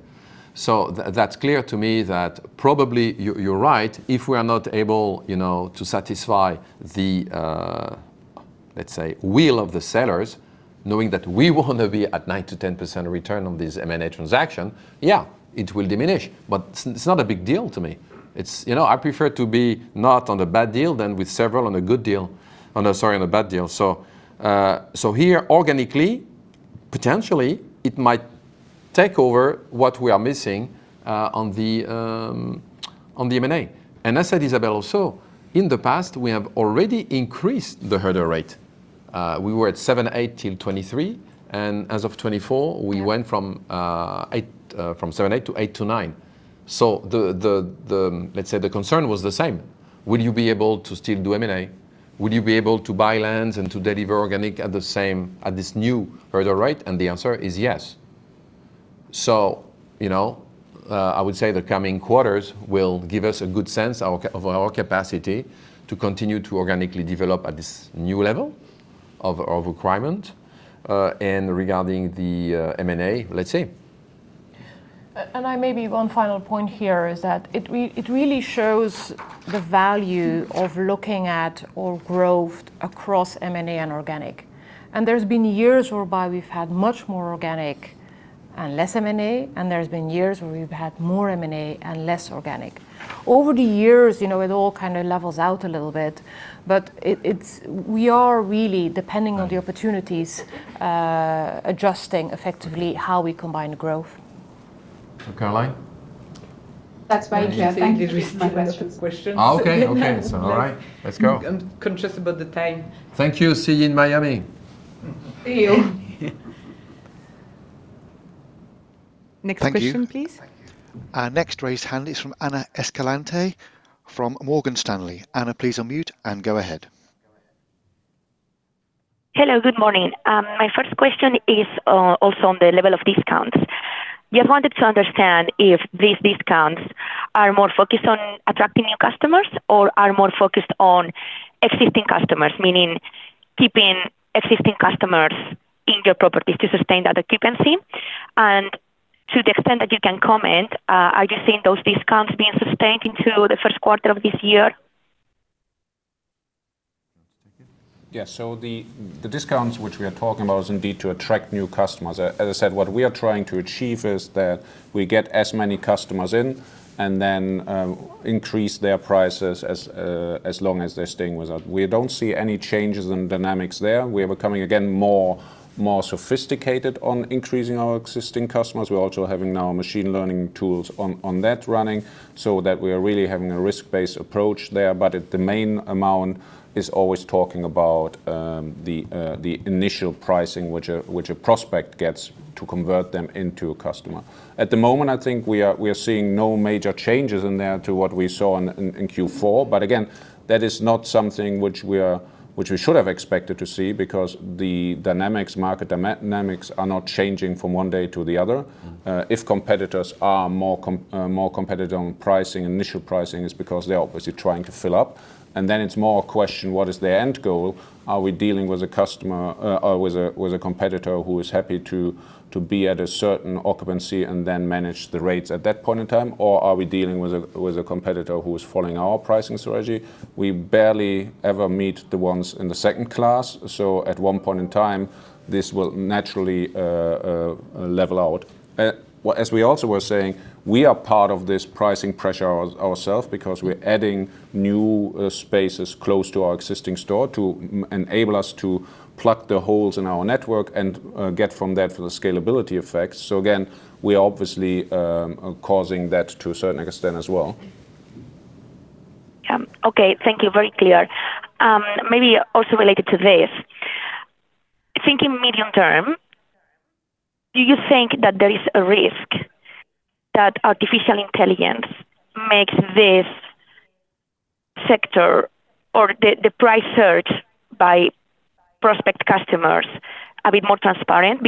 That's clear to me that probably you're right, if we are not able, you know, to satisfy the, let's say, will of the sellers, knowing that we want to be at 9%-10% return on this M&A transaction, yeah, it will diminish, but it's not a big deal to me. It's. You know, I prefer to be not on a bad deal than with several on a bad deal. Here, organically, potentially, it might take over what we are missing on the M&A. As said Isabel also, in the past, we have already increased the hurdle rate. We were at 7%-8% till 2023, and as of 2024, we went from 7%-8% to 8%-9%. The concern was the same. Will you be able to still do M&A? Will you be able to buy lands and to deliver organic at the same, at this new hurdle rate? The answer is yes. You know, I would say the coming quarters will give us a good sense of our capacity to continue to organically develop at this new level of requirement. Regarding the M&A, let's see. I maybe one final point here is that it really shows the value of looking at all growth across M&A and organic. There's been years whereby we've had much more organic and less M&A, and there's been years where we've had more M&A and less organic. Over the years, you know, it all kind of levels out a little bit, but it's, we are really, depending on the opportunities, adjusting effectively how we combine growth. Caroline? That's very clear. Thank you. You basically read my question. Okay, okay. All right, let's go. I'm conscious about the time. Thank you. See you in Miami. See you. Next question, please. Thank you. Our next raised hand is from Ana Escalante from Morgan Stanley. Ana, please unmute and go ahead. Hello, good morning. My first question is also on the level of discounts. We wanted to understand if these discounts are more focused on attracting new customers or are more focused on existing customers, meaning keeping existing customers in your properties to sustain the occupancy. To the extent that you can comment, are you seeing those discounts being sustained into the first quarter of this year? Yeah. The discounts which we are talking about is indeed to attract new customers. As I said, what we are trying to achieve is that we get as many customers in and then increase their prices as long as they're staying with us. We don't see any changes in dynamics there. We are becoming, again, more sophisticated on increasing our existing customers. We're also having now machine learning tools on that running so that we are really having a risk-based approach there. The main amount is always talking about the initial pricing, which a prospect gets to convert them into a customer. At the moment, I think we are seeing no major changes in there to what we saw in Q4. Again, that is not something which we should have expected to see, because the dynamics, market dynamics are not changing from one day to the other. If competitors are more competitive on pricing, initial pricing, it's because they are obviously trying to fill up. It's more a question, what is the end goal? Are we dealing with a customer, or with a competitor who is happy to be at a certain occupancy and then manage the rates at that point in time? Or are we dealing with a competitor who is following our pricing strategy? We barely ever meet the ones in the second class. At one point in time, this will naturally level out. Well, as we also were saying, we are part of this pricing pressure ourselves because we're adding new spaces close to our existing store to enable us to plug the holes in our network and get from that for the scalability effects. Again, we are obviously causing that to a certain extent as well. Okay. Thank you. Very clear. Maybe also related to this: thinking medium term, do you think that there is a risk that artificial intelligence makes this sector or the price search by prospect customers a bit more transparent?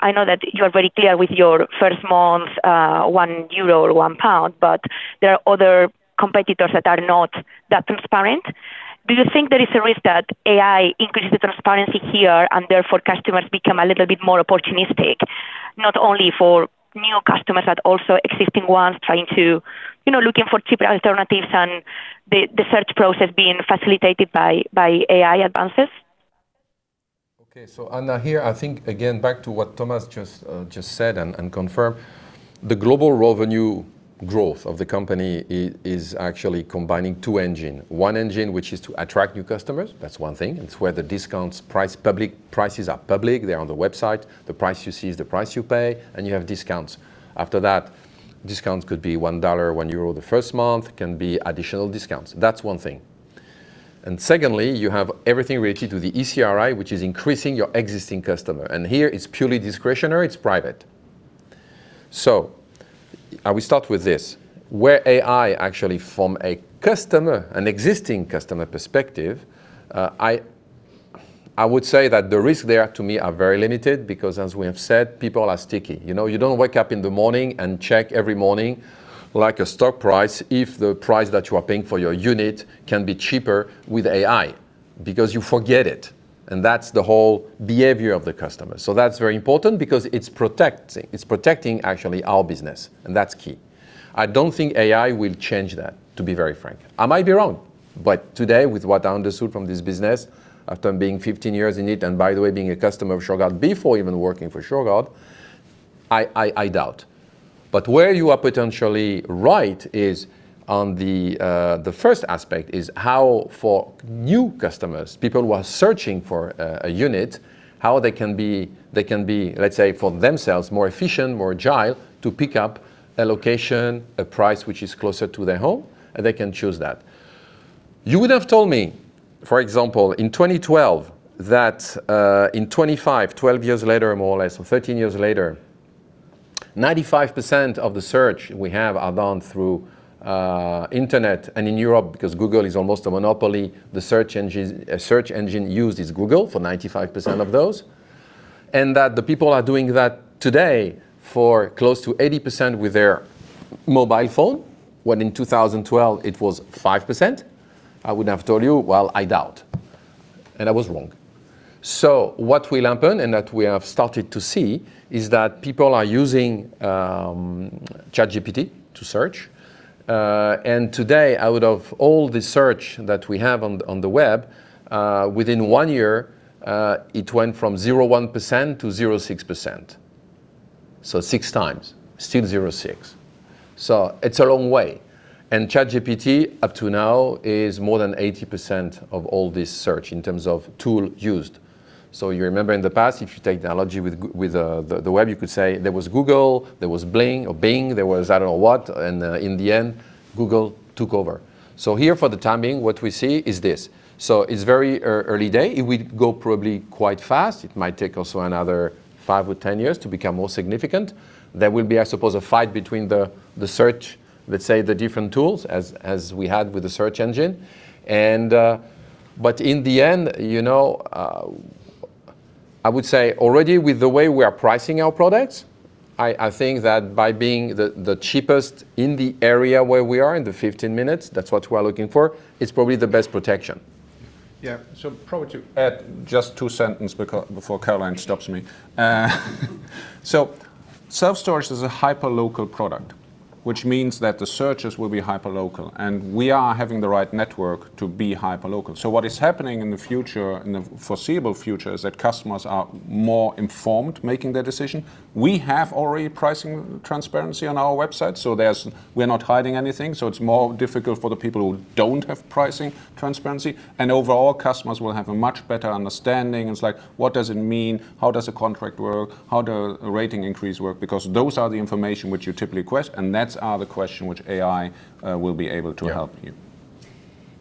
I know that you are very clear with your first month, 1 euro or 1 pound, but there are other competitors that are not that transparent. Do you think there is a risk that AI increases the transparency here, and therefore, customers become a little bit more opportunistic, not only for new customers, but also existing ones, trying to, you know, looking for cheaper alternatives and the search process being facilitated by AI advances? Okay. Anna, here, I think, again, back to what Thomas just said and confirmed, the global revenue growth of the company is actually combining two engine. One engine, which is to attract new customers. That's one thing. It's where the discounts, prices are public. They're on the website. The price you see is the price you pay, and you have discounts. After that, discounts could be $1, 1 euro the first month, can be additional discounts. That's one thing. Secondly, you have everything related to the ECRI, which is increasing your existing customer, and here it's purely discretionary, it's private. We start with this: where AI actually, from a customer, an existing customer perspective, I would say that the risk there to me are very limited because, as we have said, people are sticky. You know, you don't wake up in the morning and check every morning, like a stock price, if the price that you are paying for your unit can be cheaper with AI because you forget it, and that's the whole behavior of the customer. That's very important because it's protecting, actually, our business, and that's key. I don't think AI will change that, to be very frank. I might be wrong. Today, with what I understood from this business, after being 15 years in it, and by the way, being a customer of Shurgard before even working for Shurgard, I doubt. Where you are potentially right is on the first aspect, is how for new customers, people who are searching for a unit, how they can be, let's say, for themselves, more efficient, more agile, to pick up a location, a price, which is closer to their home, and they can choose that. You would have told me, for example, in 2012, that, in 2025, 12 years later, more or less, or 13 years later, 95% of the search we have are done through internet. In Europe, because Google is almost a monopoly, the search engine used is Google for 95% of those, and that the people are doing that today for close to 80% with their mobile phone, when in 2012, it was 5%, I would have told you, "Well, I doubt." I was wrong. What will happen, and that we have started to see, is that people are using ChatGPT to search. Today, out of all the search that we have on the web, within one year, it went from 0.1%-0.6%. Six times. Still 0.6%. It's a long way. ChatGPT, up to now, is more than 80% of all this search in terms of tool used. You remember in the past, if you take the analogy with the web, you could say there was Google, there was Bing, there was I don't know what, in the end, Google took over. Here, for the time being, what we see is this. It's very early day. It will go probably quite fast. It might take also another five or 10 years to become more significant. There will be, I suppose, a fight between the search, let's say, the different tools, as we had with the search engine. In the end, you know, I would say already with the way we are pricing our products, I think that by being the cheapest in the area where we are, in the 15 minutes, that's what we are looking for, it's probably the best protection. Yeah. Probably to add just 2 sentence before Caroline stops me. Self-storage is a hyper-local product, which means that the searches will be hyper-local, and we are having the right network to be hyper-local. What is happening in the future, in the foreseeable future, is that customers are more informed making their decision. We have already pricing transparency on our website, so we're not hiding anything, so it's more difficult for the people who don't have pricing transparency. Overall, customers will have a much better understanding. It's like, what does it mean? How does a contract work? How do a rating increase work? Those are the information which you typically request, and that's are the question which AI will be able to help you.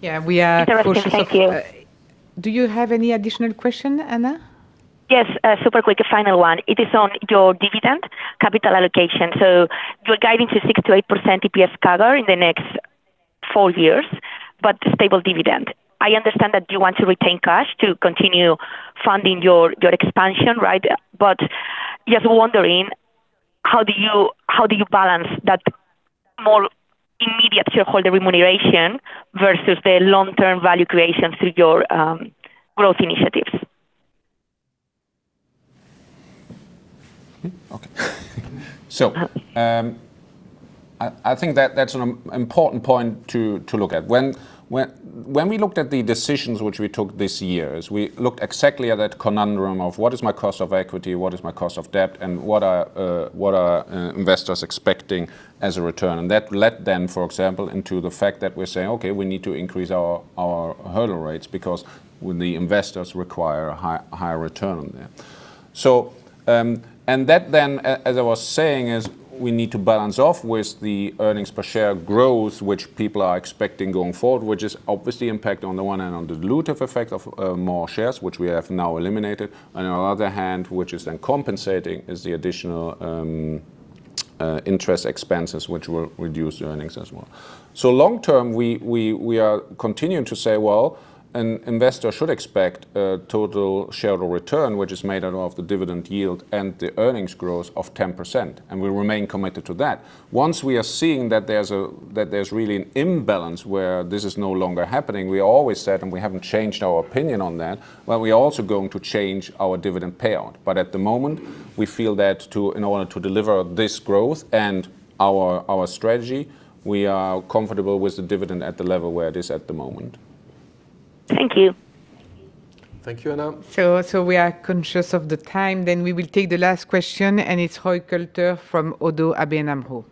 Yeah. Interesting. Thank you. Yeah, we are cautious of. Do you have any additional question, Anna? Super quick, a final one. It is on your dividend capital allocation. You're guiding to 6%-8% EPS cover in the next 4 years, but stable dividend. I understand that you want to retain cash to continue funding your expansion, right? Just wondering, how do you balance that immediate shareholder remuneration versus the long-term value creation through your growth initiatives? I think that's an important point to look at. When we looked at the decisions which we took this year, is we looked exactly at that conundrum of what is my cost of equity, what is my cost of debt, and what are investors expecting as a return? That led then, for example, into the fact that we're saying, "Okay, we need to increase our hurdle rates, because when the investors require a higher return on that." That then, as I was saying, is we need to balance off with the earnings per share growth, which people are expecting going forward, which is obviously impact on the one hand, on the dilutive effect of more shares, which we have now eliminated. On the other hand, which is then compensating, is the additional interest expenses, which will reduce the earnings as well. Long term, we are continuing to say, well, an investor should expect a total shareholder return, which is made out of the dividend yield and the earnings growth of 10%, and we remain committed to that. Once we are seeing that there's really an imbalance where this is no longer happening, we always said, and we haven't changed our opinion on that, well, we are also going to change our dividend payout. At the moment, we feel that to, in order to deliver this growth and our strategy, we are comfortable with the dividend at the level where it is at the moment. Thank you. Thank you, Anna. We are conscious of the time. We will take the last question, and it's Roy Külter from ODDO BHF.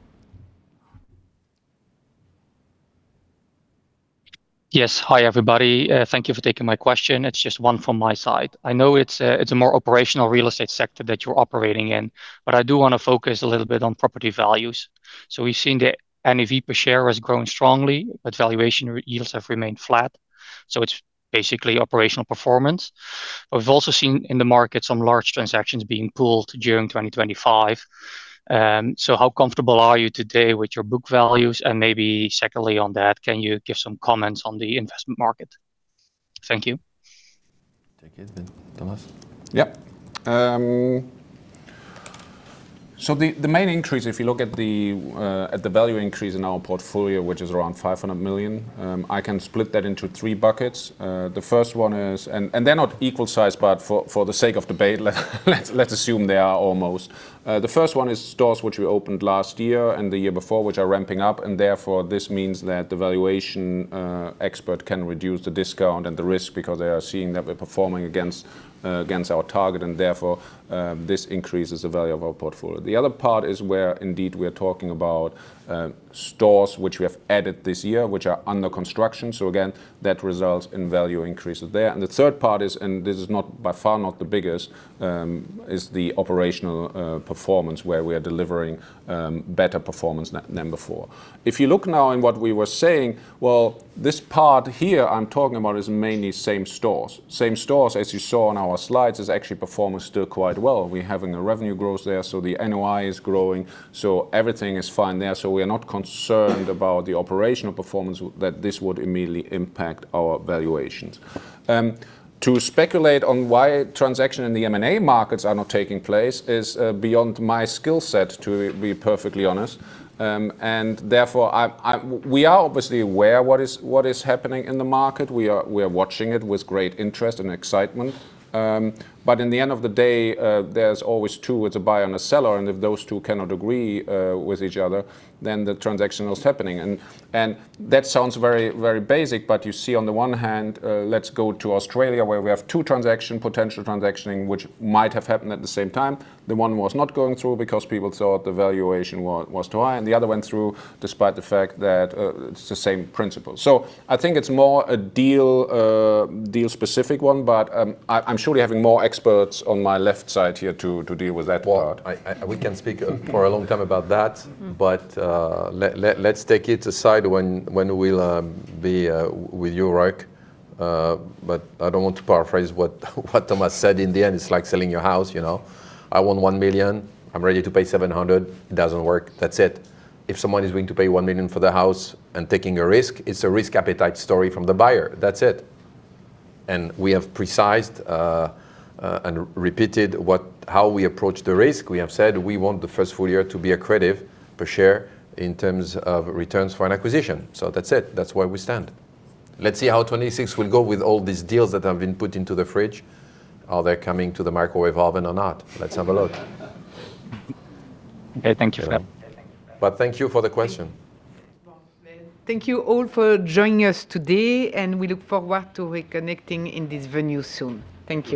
Yes. Hi, everybody. Thank you for taking my question. It's just one from my side. I know it's a more operational real estate sector that you're operating in, but I do wanna focus a little bit on property values. We've seen the NAV per share has grown strongly, but valuation yields have remained flat, so it's basically operational performance. We've also seen in the market some large transactions being pulled during 2025. How comfortable are you today with your book values? Maybe secondly on that, can you give some comments on the investment market? Thank you. Thank you. Thomas. Yep. The main increase, if you look at the value increase in our portfolio, which is around 500 million, I can split that into three buckets. The first one is, they're not equal size, but for the sake of debate, let's assume they are almost. The first one is stores which we opened last year and the year before, which are ramping up, and therefore, this means that the valuation expert can reduce the discount and the risk because they are seeing that we're performing against our target, and therefore, this increases the value of our portfolio. The other part is where indeed we are talking about stores which we have added this year, which are under construction. Again, that results in value increases there. The third part is, and this is not, by far, not the biggest, is the operational performance, where we are delivering better performance than before. If you look now in what we were saying, well, this part here I'm talking about is mainly same-store. Same-store, as you saw on our slides, is actually performing still quite well. We're having a revenue growth there, the NOI is growing, so everything is fine there. We are not concerned about the operational performance, that this would immediately impact our valuations. To speculate on why transaction in the M&A markets are not taking place is beyond my skill set, to be perfectly honest. Therefore, we are obviously aware what is happening in the market. We are watching it with great interest and excitement. In the end of the day, there's always two: it's a buyer and a seller, and if those two cannot agree with each other, then the transaction is happening. That sounds very, very basic, but you see, on the one hand, let's go to Australia, where we have two transaction, potential transaction, which might have happened at the same time. The one was not going through because people thought the valuation was too high, and the other went through, despite the fact that it's the same principle. I think it's more a deal specific one, but I'm surely having more experts on my left side here to deal with that part. Well, we can speak for a long time about that. Mm. Let's take it aside when we'll be with you, Roy. I don't want to paraphrase what Thomas said. In the end, it's like selling your house, you know? "I want 1 million." "I'm ready to pay 700." It doesn't work. That's it. If someone is willing to pay one million for the house and taking a risk, it's a risk appetite story from the buyer. That's it. We have precised and repeated what, how we approach the risk. We have said we want the first full year to be accretive per share in terms of returns for an acquisition. That's it. That's where we stand. Let's see how 2026 will go with all these deals that have been put into the fridge. Are they coming to the microwave oven or not? Let's have a look. Okay. Thank you, sir. Thank you for the question. Thank you all for joining us today, and we look forward to reconnecting in this venue soon. Thank you.